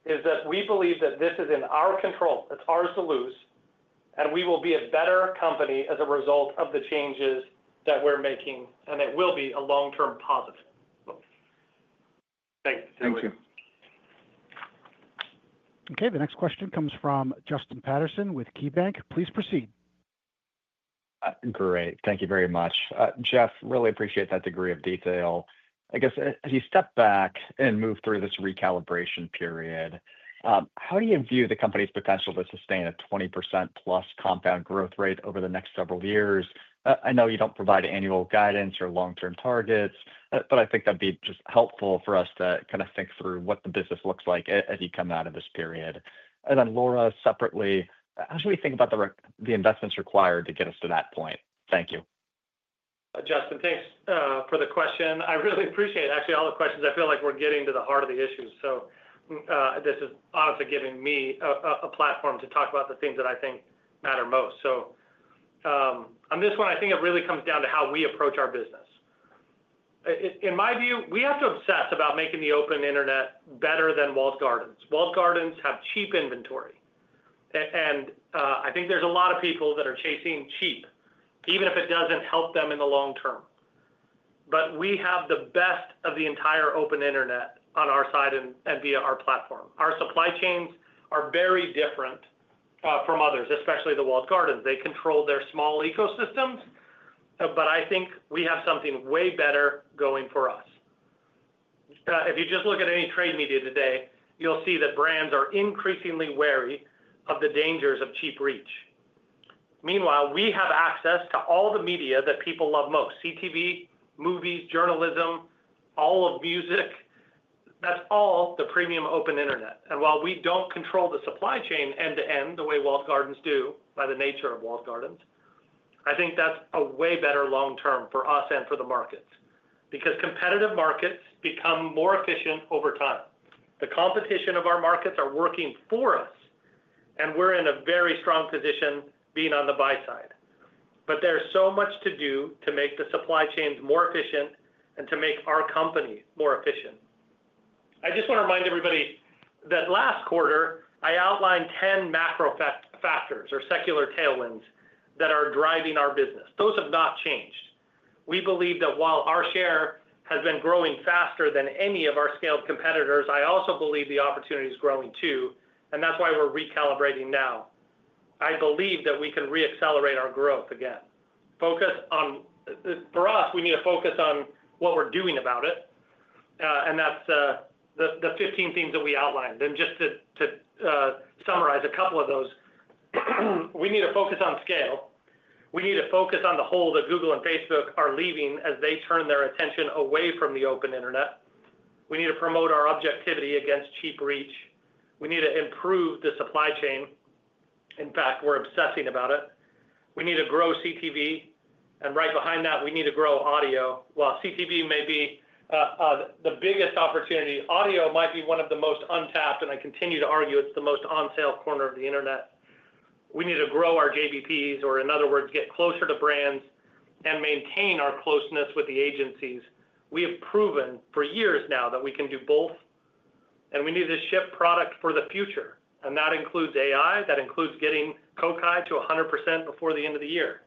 is that we believe that this is in our control. It's ours to lose, and we will be a better company as a result of the changes that we're making, and it will be a long-term positive. Thank you. Thank you. Okay. The next question comes from Justin Patterson with KeyBanc. Please proceed. Great. Thank you very much. Jeff, really appreciate that degree of detail. I guess as you step back and move through this recalibration period, how do you view the company's potential to sustain a 20% plus compound growth rate over the next several years? I know you don't provide annual guidance or long-term targets, but I think that'd be just helpful for us to kind of think through what the business looks like as you come out of this period. And then, Laura, separately, how should we think about the investments required to get us to that point? Thank you. Justin, thanks for the question. I really appreciate it. Actually, all the questions, I feel like we're getting to the heart of the issue. So this is honestly giving me a platform to talk about the things that I think matter most. So on this one, I think it really comes down to how we approach our business. In my view, we have to obsess about making the open internet better than walled gardens. Walled gardens have cheap inventory. And I think there's a lot of people that are chasing cheap, even if it doesn't help them in the long term. But we have the best of the entire open internet on our side and via our platform. Our supply chains are very different from others, especially the walled gardens. They control their small ecosystems, but I think we have something way better going for us. If you just look at any trade media today, you'll see that brands are increasingly wary of the dangers of cheap reach. Meanwhile, we have access to all the media that people love most: CTV, movies, journalism, all of music. That's all the premium open internet. And while we don't control the supply chain end to end the way walled gardens do by the nature of walled gardens, I think that's a way better long term for us and for the markets because competitive markets become more efficient over time. The competition of our markets are working for us, and we're in a very strong position being on the buy side. But there's so much to do to make the supply chains more efficient and to make our company more efficient. I just want to remind everybody that last quarter, I outlined 10 macro factors or secular tailwinds that are driving our business. Those have not changed. We believe that while our share has been growing faster than any of our scaled competitors, I also believe the opportunity is growing too, and that's why we're recalibrating now. I believe that we can re-accelerate our growth again. For us, we need to focus on what we're doing about it, and that's the 15 things that we outlined, and just to summarize a couple of those, we need to focus on scale. We need to focus on the hole that Google and Facebook are leaving as they turn their attention away from the open internet. We need to promote our objectivity against cheap reach. We need to improve the supply chain. In fact, we're obsessing about it. We need to grow CTV, and right behind that, we need to grow audio. While CTV may be the biggest opportunity, audio might be one of the most untapped, and I continue to argue it's the most on-sale corner of the internet. We need to grow our JBPs, or in other words, get closer to brands and maintain our closeness with the agencies. We have proven for years now that we can do both, and we need to ship product for the future. And that includes AI. That includes getting Kokai to 100% before the end of the year.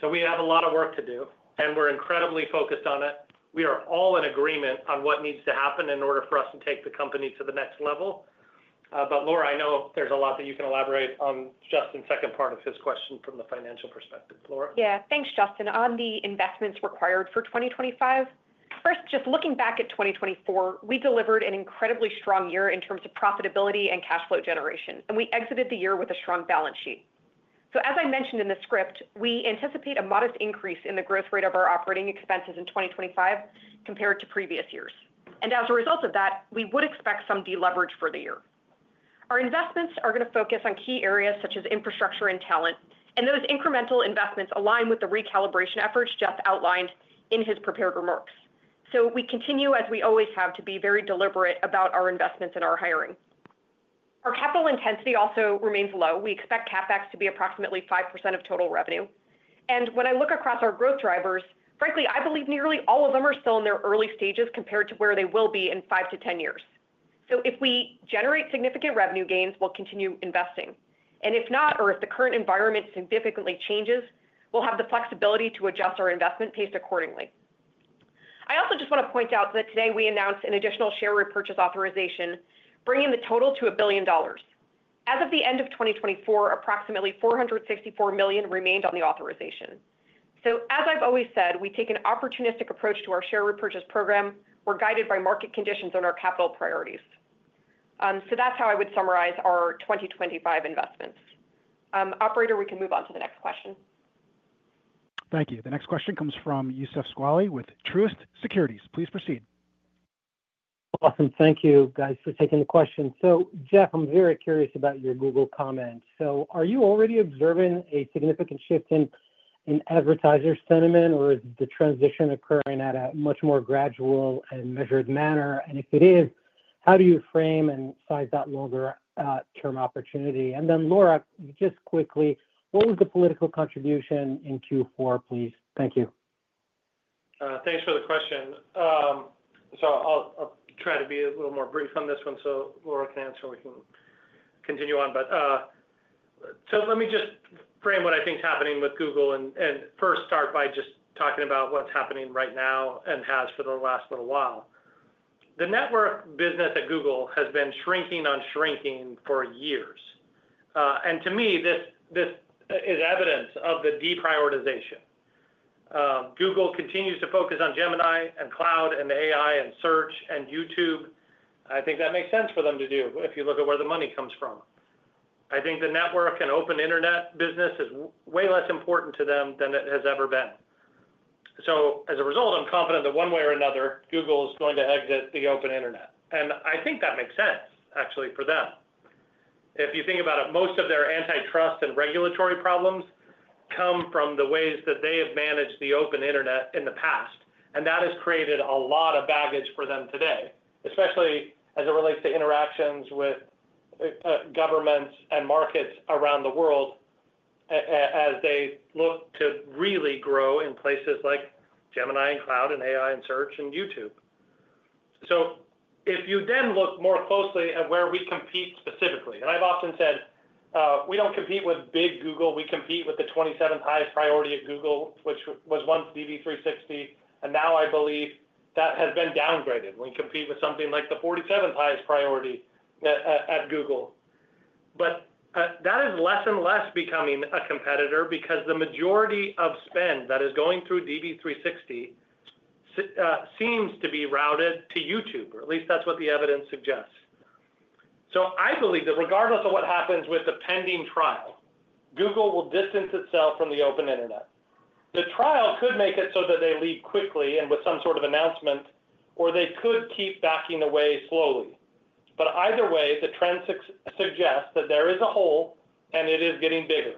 So we have a lot of work to do, and we're incredibly focused on it. We are all in agreement on what needs to happen in order for us to take the company to the next level. But Laura, I know there's a lot that you can elaborate on Justin's second part of his question from the financial perspective. Laura? Yeah. Thanks, Justin. On the investments required for 2025, first, just looking back at 2024, we delivered an incredibly strong year in terms of profitability and cash flow generation, and we exited the year with a strong balance sheet. So as I mentioned in the script, we anticipate a modest increase in the growth rate of our operating expenses in 2025 compared to previous years. And as a result of that, we would expect some deleverage for the year. Our investments are going to focus on key areas such as infrastructure and talent, and those incremental investments align with the recalibration efforts Jeff outlined in his prepared remarks. So we continue, as we always have, to be very deliberate about our investments and our hiring. Our capital intensity also remains low. We expect CapEx to be approximately 5% of total revenue. And when I look across our growth drivers, frankly, I believe nearly all of them are still in their early stages compared to where they will be in five to 10 years. So if we generate significant revenue gains, we'll continue investing. And if not, or if the current environment significantly changes, we'll have the flexibility to adjust our investment pace accordingly. I also just want to point out that today we announced an additional share repurchase authorization, bringing the total to $1 billion. As of the end of 2024, approximately $464 million remained on the authorization. So as I've always said, we take an opportunistic approach to our share repurchase program. We're guided by market conditions on our capital priorities. So that's how I would summarize our 2025 investments. Operator, we can move on to the next question. Thank you. The next question comes from Youssef Squali with Truist Securities. Please proceed. Awesome. Thank you, guys, for taking the question. So Jeff, I'm very curious about your Google comment. So are you already observing a significant shift in advertiser sentiment, or is the transition occurring at a much more gradual and measured manner? And if it is, how do you frame and size that longer-term opportunity? And then Laura, just quickly, what was the political contribution in Q4, please? Thank you. Thanks for the question. So I'll try to be a little more brief on this one so Laura can answer, and we can continue on. So let me just frame what I think is happening with Google and first start by just talking about what's happening right now and has for the last little while. The network business at Google has been shrinking and shrinking for years, and to me, this is evidence of the deprioritization. Google continues to focus on Gemini and Cloud and AI and Search and YouTube. I think that makes sense for them to do if you look at where the money comes from. I think the network and open internet business is way less important to them than it has ever been. So as a result, I'm confident that one way or another, Google is going to exit the open internet, and I think that makes sense, actually, for them. If you think about it, most of their antitrust and regulatory problems come from the ways that they have managed the open internet in the past, and that has created a lot of baggage for them today, especially as it relates to interactions with governments and markets around the world as they look to really grow in places like Gemini and Cloud and AI and Search and YouTube. So if you then look more closely at where we compete specifically, and I've often said we don't compete with big Google. We compete with the 27th highest priority at Google, which was once DV360, and now I believe that has been downgraded. We compete with something like the 47th highest priority at Google. But that is less and less becoming a competitor because the majority of spend that is going through DV360 seems to be routed to YouTube. At least that's what the evidence suggests. So I believe that regardless of what happens with the pending trial, Google will distance itself from the open internet. The trial could make it so that they leave quickly and with some sort of announcement, or they could keep backing away slowly. But either way, the trend suggests that there is a hole, and it is getting bigger.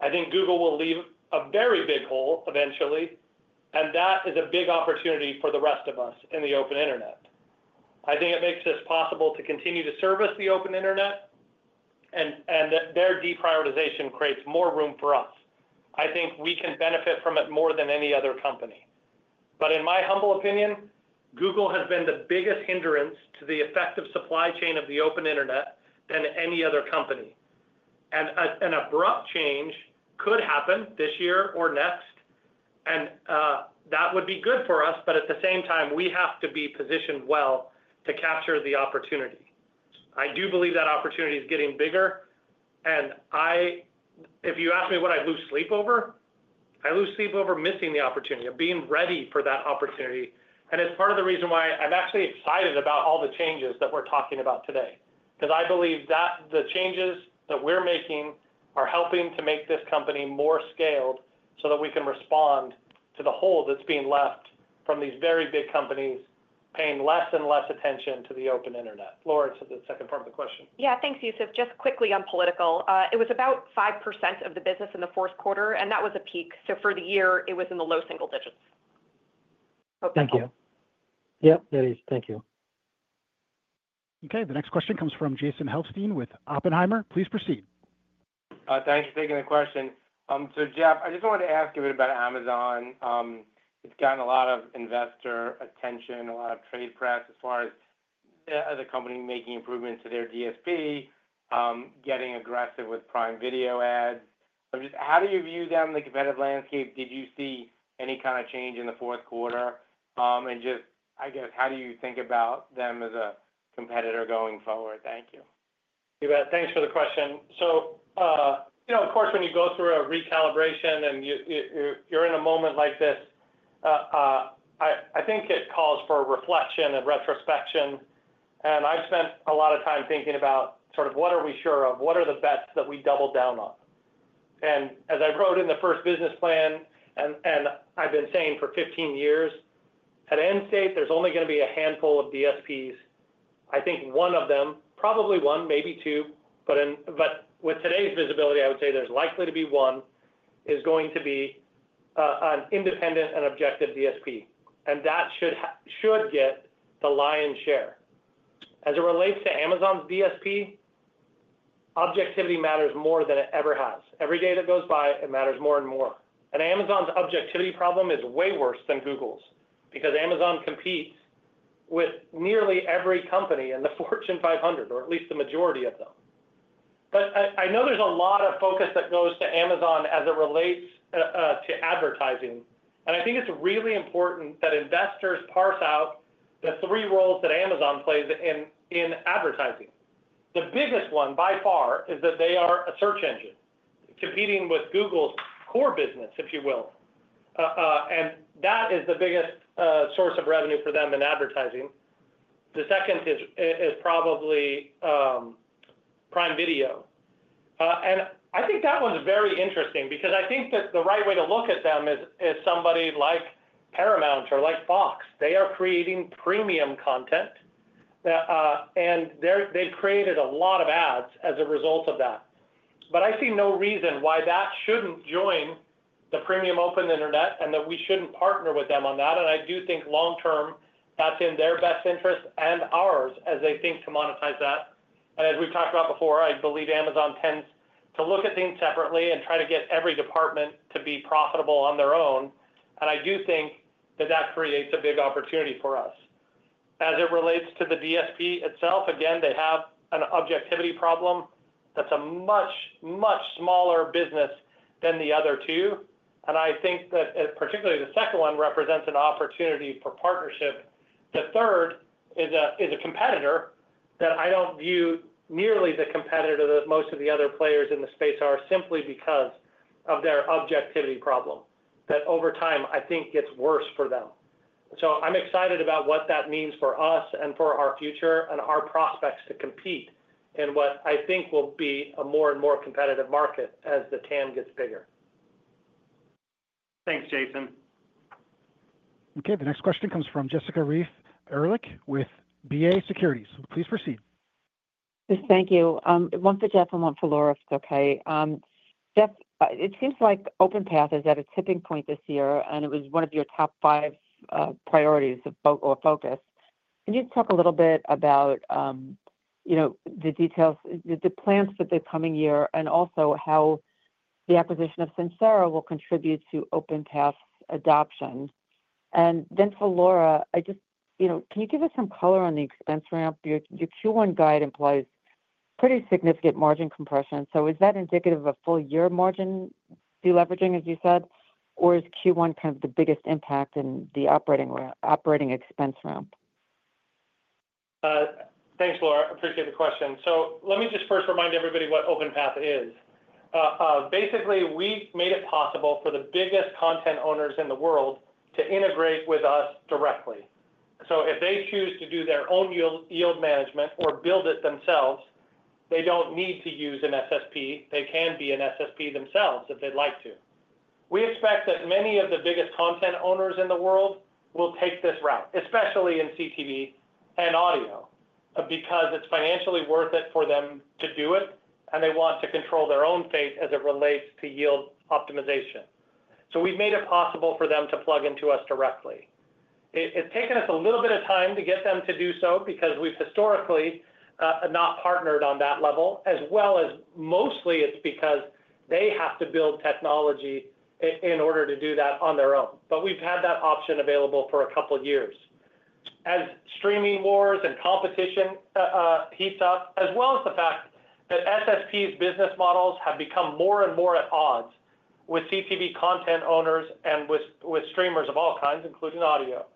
I think Google will leave a very big hole eventually, and that is a big opportunity for the rest of us in the open internet. I think it makes it possible to continue to service the open internet, and their deprioritization creates more room for us. I think we can benefit from it more than any other company. But in my humble opinion, Google has been the biggest hindrance to the effective supply chain of the open internet than any other company. And an abrupt change could happen this year or next, and that would be good for us, but at the same time, we have to be positioned well to capture the opportunity. I do believe that opportunity is getting bigger. And if you ask me what I lose sleep over, I lose sleep over missing the opportunity of being ready for that opportunity. And it's part of the reason why I'm actually excited about all the changes that we're talking about today because I believe that the changes that we're making are helping to make this company more scaled so that we can respond to the hole that's being left from these very big companies paying less and less attention to the open internet. Laura, to the second part of the question. Yeah. Thanks, Youssef. Just quickly on political. It was about 5% of the business in the fourth quarter, and that was a peak. So for the year, it was in the low single digits. Thank you. Yep, it is. Thank you. Okay. The next question comes from Jason Helfstein with Oppenheimer. Please proceed. Thanks for taking the question. So Jeff, I just wanted to ask you a bit about Amazon. It's gotten a lot of investor attention, a lot of trade press as far as the company making improvements to their DSP, getting aggressive with Prime Video ads. How do you view them in the competitive landscape? Did you see any kind of change in the fourth quarter? And just, I guess, how do you think about them as a competitor going forward? Thank you. Thanks for the question. So of course, when you go through a recalibration and you're in a moment like this, I think it calls for reflection and retrospection. And I've spent a lot of time thinking about sort of what are we sure of? What are the bets that we double down on? And as I wrote in the first business plan, and I've been saying for 15 years, at end state, there's only going to be a handful of DSPs. I think one of them, probably one, maybe two, but with today's visibility, I would say there's likely to be one is going to be an independent and objective DSP. And that should get the lion's share. As it relates to Amazon's DSP, objectivity matters more than it ever has. Every day that goes by, it matters more and more. Amazon's objectivity problem is way worse than Google's because Amazon competes with nearly every company in the Fortune 500, or at least the majority of them. I know there's a lot of focus that goes to Amazon as it relates to advertising. I think it's really important that investors parse out the three roles that Amazon plays in advertising. The biggest one by far is that they are a search engine competing with Google's core business, if you will. That is the biggest source of revenue for them in advertising. The second is probably Prime Video. I think that one's very interesting because I think that the right way to look at them is somebody like Paramount or like Fox. They are creating premium content, and they've created a lot of ads as a result of that. But I see no reason why that shouldn't join the premium open internet and that we shouldn't partner with them on that. And I do think long term, that's in their best interest and ours as they think to monetize that. And as we've talked about before, I believe Amazon tends to look at things separately and try to get every department to be profitable on their own. And I do think that that creates a big opportunity for us. As it relates to the DSP itself, again, they have an objectivity problem that's a much, much smaller business than the other two. And I think that particularly the second one represents an opportunity for partnership. The third is a competitor that I don't view nearly the competitor that most of the other players in the space are simply because of their objectivity problem that over time, I think, gets worse for them. So I'm excited about what that means for us and for our future and our prospects to compete in what I think will be a more and more competitive market as the TAM gets bigger. Thanks, Jason. Okay. The next question comes from Jessica Reif Ehrlich with BofA Securities. Please proceed. Thank you. One for Jeff and one for Laura, if it's okay. Jeff, it seems like OpenPath is at a tipping point this year, and it was one of your top five priorities or focus. Can you talk a little bit about the details, the plans for the coming year, and also how the acquisition of Sincera will contribute to OpenPath's adoption? And then for Laura, can you give us some color on the expense ramp? Your Q1 guide implies pretty significant margin compression. So is that indicative of a full year margin deleveraging, as you said, or is Q1 kind of the biggest impact in the operating expense ramp? Thanks, Jessica. Appreciate the question. So let me just first remind everybody what OpenPath is. Basically, we've made it possible for the biggest content owners in the world to integrate with us directly. So if they choose to do their own yield management or build it themselves, they don't need to use an SSP. They can be an SSP themselves if they'd like to. We expect that many of the biggest content owners in the world will take this route, especially in CTV and audio, because it's financially worth it for them to do it, and they want to control their own fate as it relates to yield optimization. So we've made it possible for them to plug into us directly. It's taken us a little bit of time to get them to do so because we've historically not partnered on that level, as well as mostly it's because they have to build technology in order to do that on their own. But we've had that option available for a couple of years. As streaming wars and competition heats up, as well as the fact that SSPs' business models have become more and more at odds with CTV content owners and with streamers of all kinds, including audio,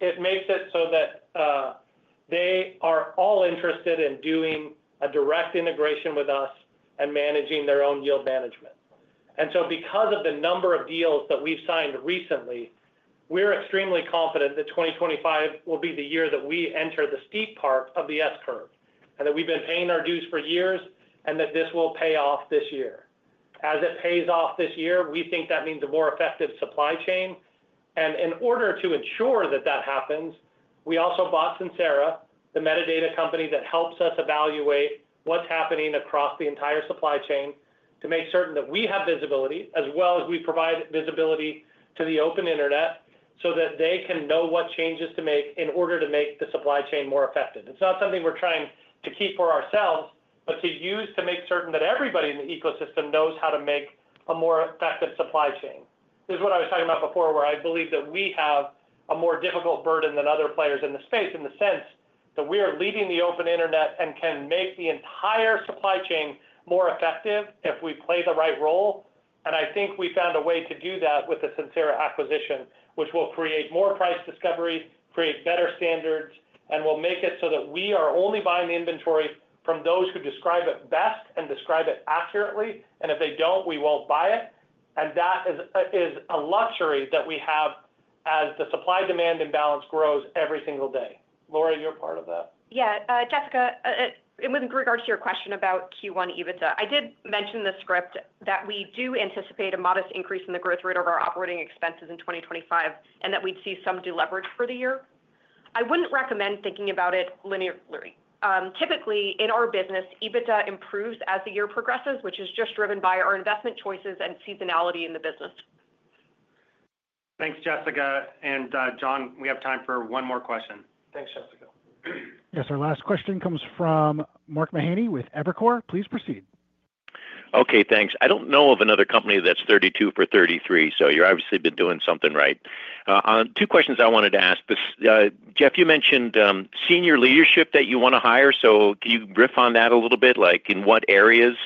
it makes it so that they are all interested in doing a direct integration with us and managing their own yield management. And so because of the number of deals that we've signed recently, we're extremely confident that 2025 will be the year that we enter the steep part of the S curve and that we've been paying our dues for years and that this will pay off this year. As it pays off this year, we think that means a more effective supply chain. In order to ensure that that happens, we also bought Sincera, the metadata company that helps us evaluate what's happening across the entire supply chain to make certain that we have visibility, as well as we provide visibility to the open internet so that they can know what changes to make in order to make the supply chain more effective. It's not something we're trying to keep for ourselves, but to use to make certain that everybody in the ecosystem knows how to make a more effective supply chain. This is what I was talking about before, where I believe that we have a more difficult burden than other players in the space in the sense that we are leading the open internet and can make the entire supply chain more effective if we play the right role. I think we found a way to do that with the Sincera acquisition, which will create more price discovery, create better standards, and will make it so that we are only buying the inventory from those who describe it best and describe it accurately. If they don't, we won't buy it. That is a luxury that we have as the supply-demand imbalance grows every single day. Laura, you're a part of that. Yeah. Jessica, with regards to your question about Q1 EBITDA, I did mention the script that we do anticipate a modest increase in the growth rate of our operating expenses in 2025 and that we'd see some deleverage for the year. I wouldn't recommend thinking about it linearly. Typically, in our business, EBITDA improves as the year progresses, which is just driven by our investment choices and seasonality in the business. Thanks, Jessica. John, we have time for one more question. Thanks, Jessica. Yes. Our last question comes from Mark Mahaney with Evercore. Please proceed. Okay. Thanks. I don't know of another company that's 32 for 33, so you've obviously been doing something right. Two questions I wanted to ask. Jeff, you mentioned senior leadership that you want to hire, so can you drill down on that a little bit, like in what areas?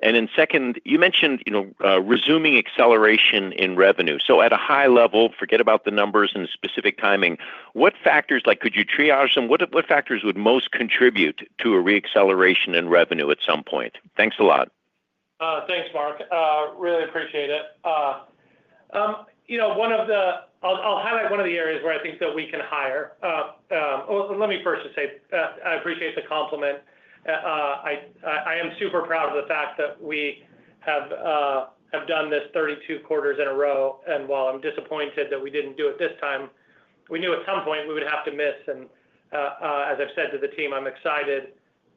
And then second, you mentioned resuming acceleration in revenue. So at a high level, forget about the numbers and the specific timing. What factors, like could you triage them? What factors would most contribute to a reacceleration in revenue at some point? Thanks a lot. Thanks, Mark. Really appreciate it. I'll highlight one of the areas where I think that we can hire. Let me first just say I appreciate the compliment. I am super proud of the fact that we have done this 32 quarters in a row. And while I'm disappointed that we didn't do it this time, we knew at some point we would have to miss. And as I've said to the team, I'm excited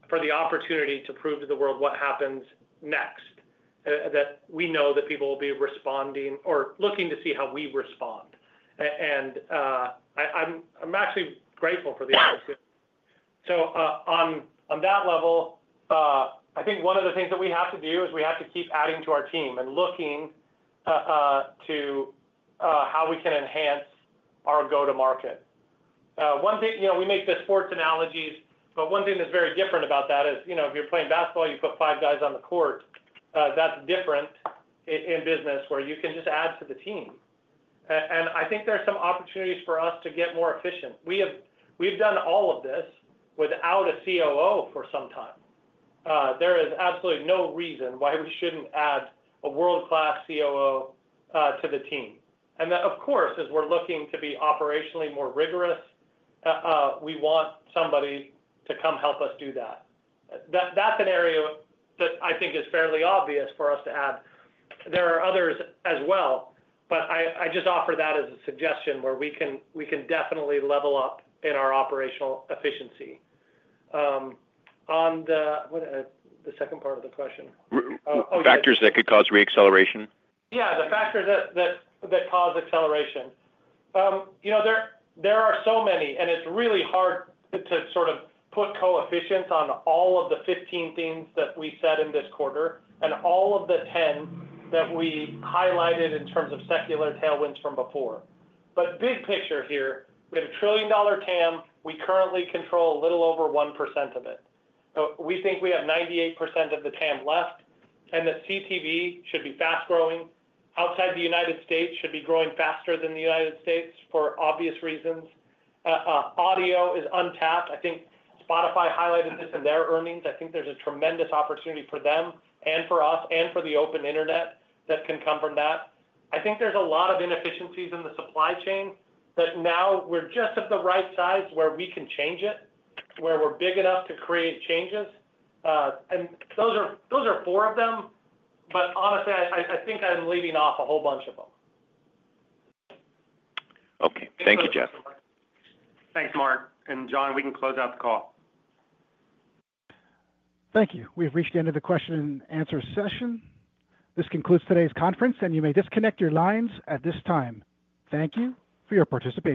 for the opportunity to prove to the world what happens next, that we know that people will be responding or looking to see how we respond. And I'm actually grateful for the opportunity. So on that level, I think one of the things that we have to do is we have to keep adding to our team and looking to how we can enhance our go-to-market. We make the sports analogies, but one thing that's very different about that is if you're playing basketball, you put five guys on the court. That's different in business where you can just add to the team. I think there are some opportunities for us to get more efficient. We have done all of this without a COO for some time. There is absolutely no reason why we shouldn't add a world-class COO to the team. And of course, as we're looking to be operationally more rigorous, we want somebody to come help us do that. That's an area that I think is fairly obvious for us to add. There are others as well, but I just offer that as a suggestion where we can definitely level up in our operational efficiency. On the, what is the second part of the question? Factors that could cause reacceleration. Yeah. The factors that cause acceleration. There are so many, and it's really hard to sort of put coefficients on all of the 15 things that we said in this quarter and all of the 10 that we highlighted in terms of secular tailwinds from before, but big picture here, we have a $1 trillion TAM. We currently control a little over 1% of it. We think we have 98% of the TAM left, and the CTV should be fast-growing. Outside the United States, it should be growing faster than the United States for obvious reasons. Audio is untapped. I think Spotify highlighted this in their earnings. I think there's a tremendous opportunity for them and for us and for the open internet that can come from that. I think there's a lot of inefficiencies in the supply chain that now we're just at the right size where we can change it, where we're big enough to create changes. And those are four of them, but honestly, I think I'm leaving off a whole bunch of them. Okay. Thank you, Jeff. Thanks, Mark. And John, we can close out the call. Thank you. We've reached the end of the question-and-answer session. This concludes today's conference, and you may disconnect your lines at this time. Thank you for your participation.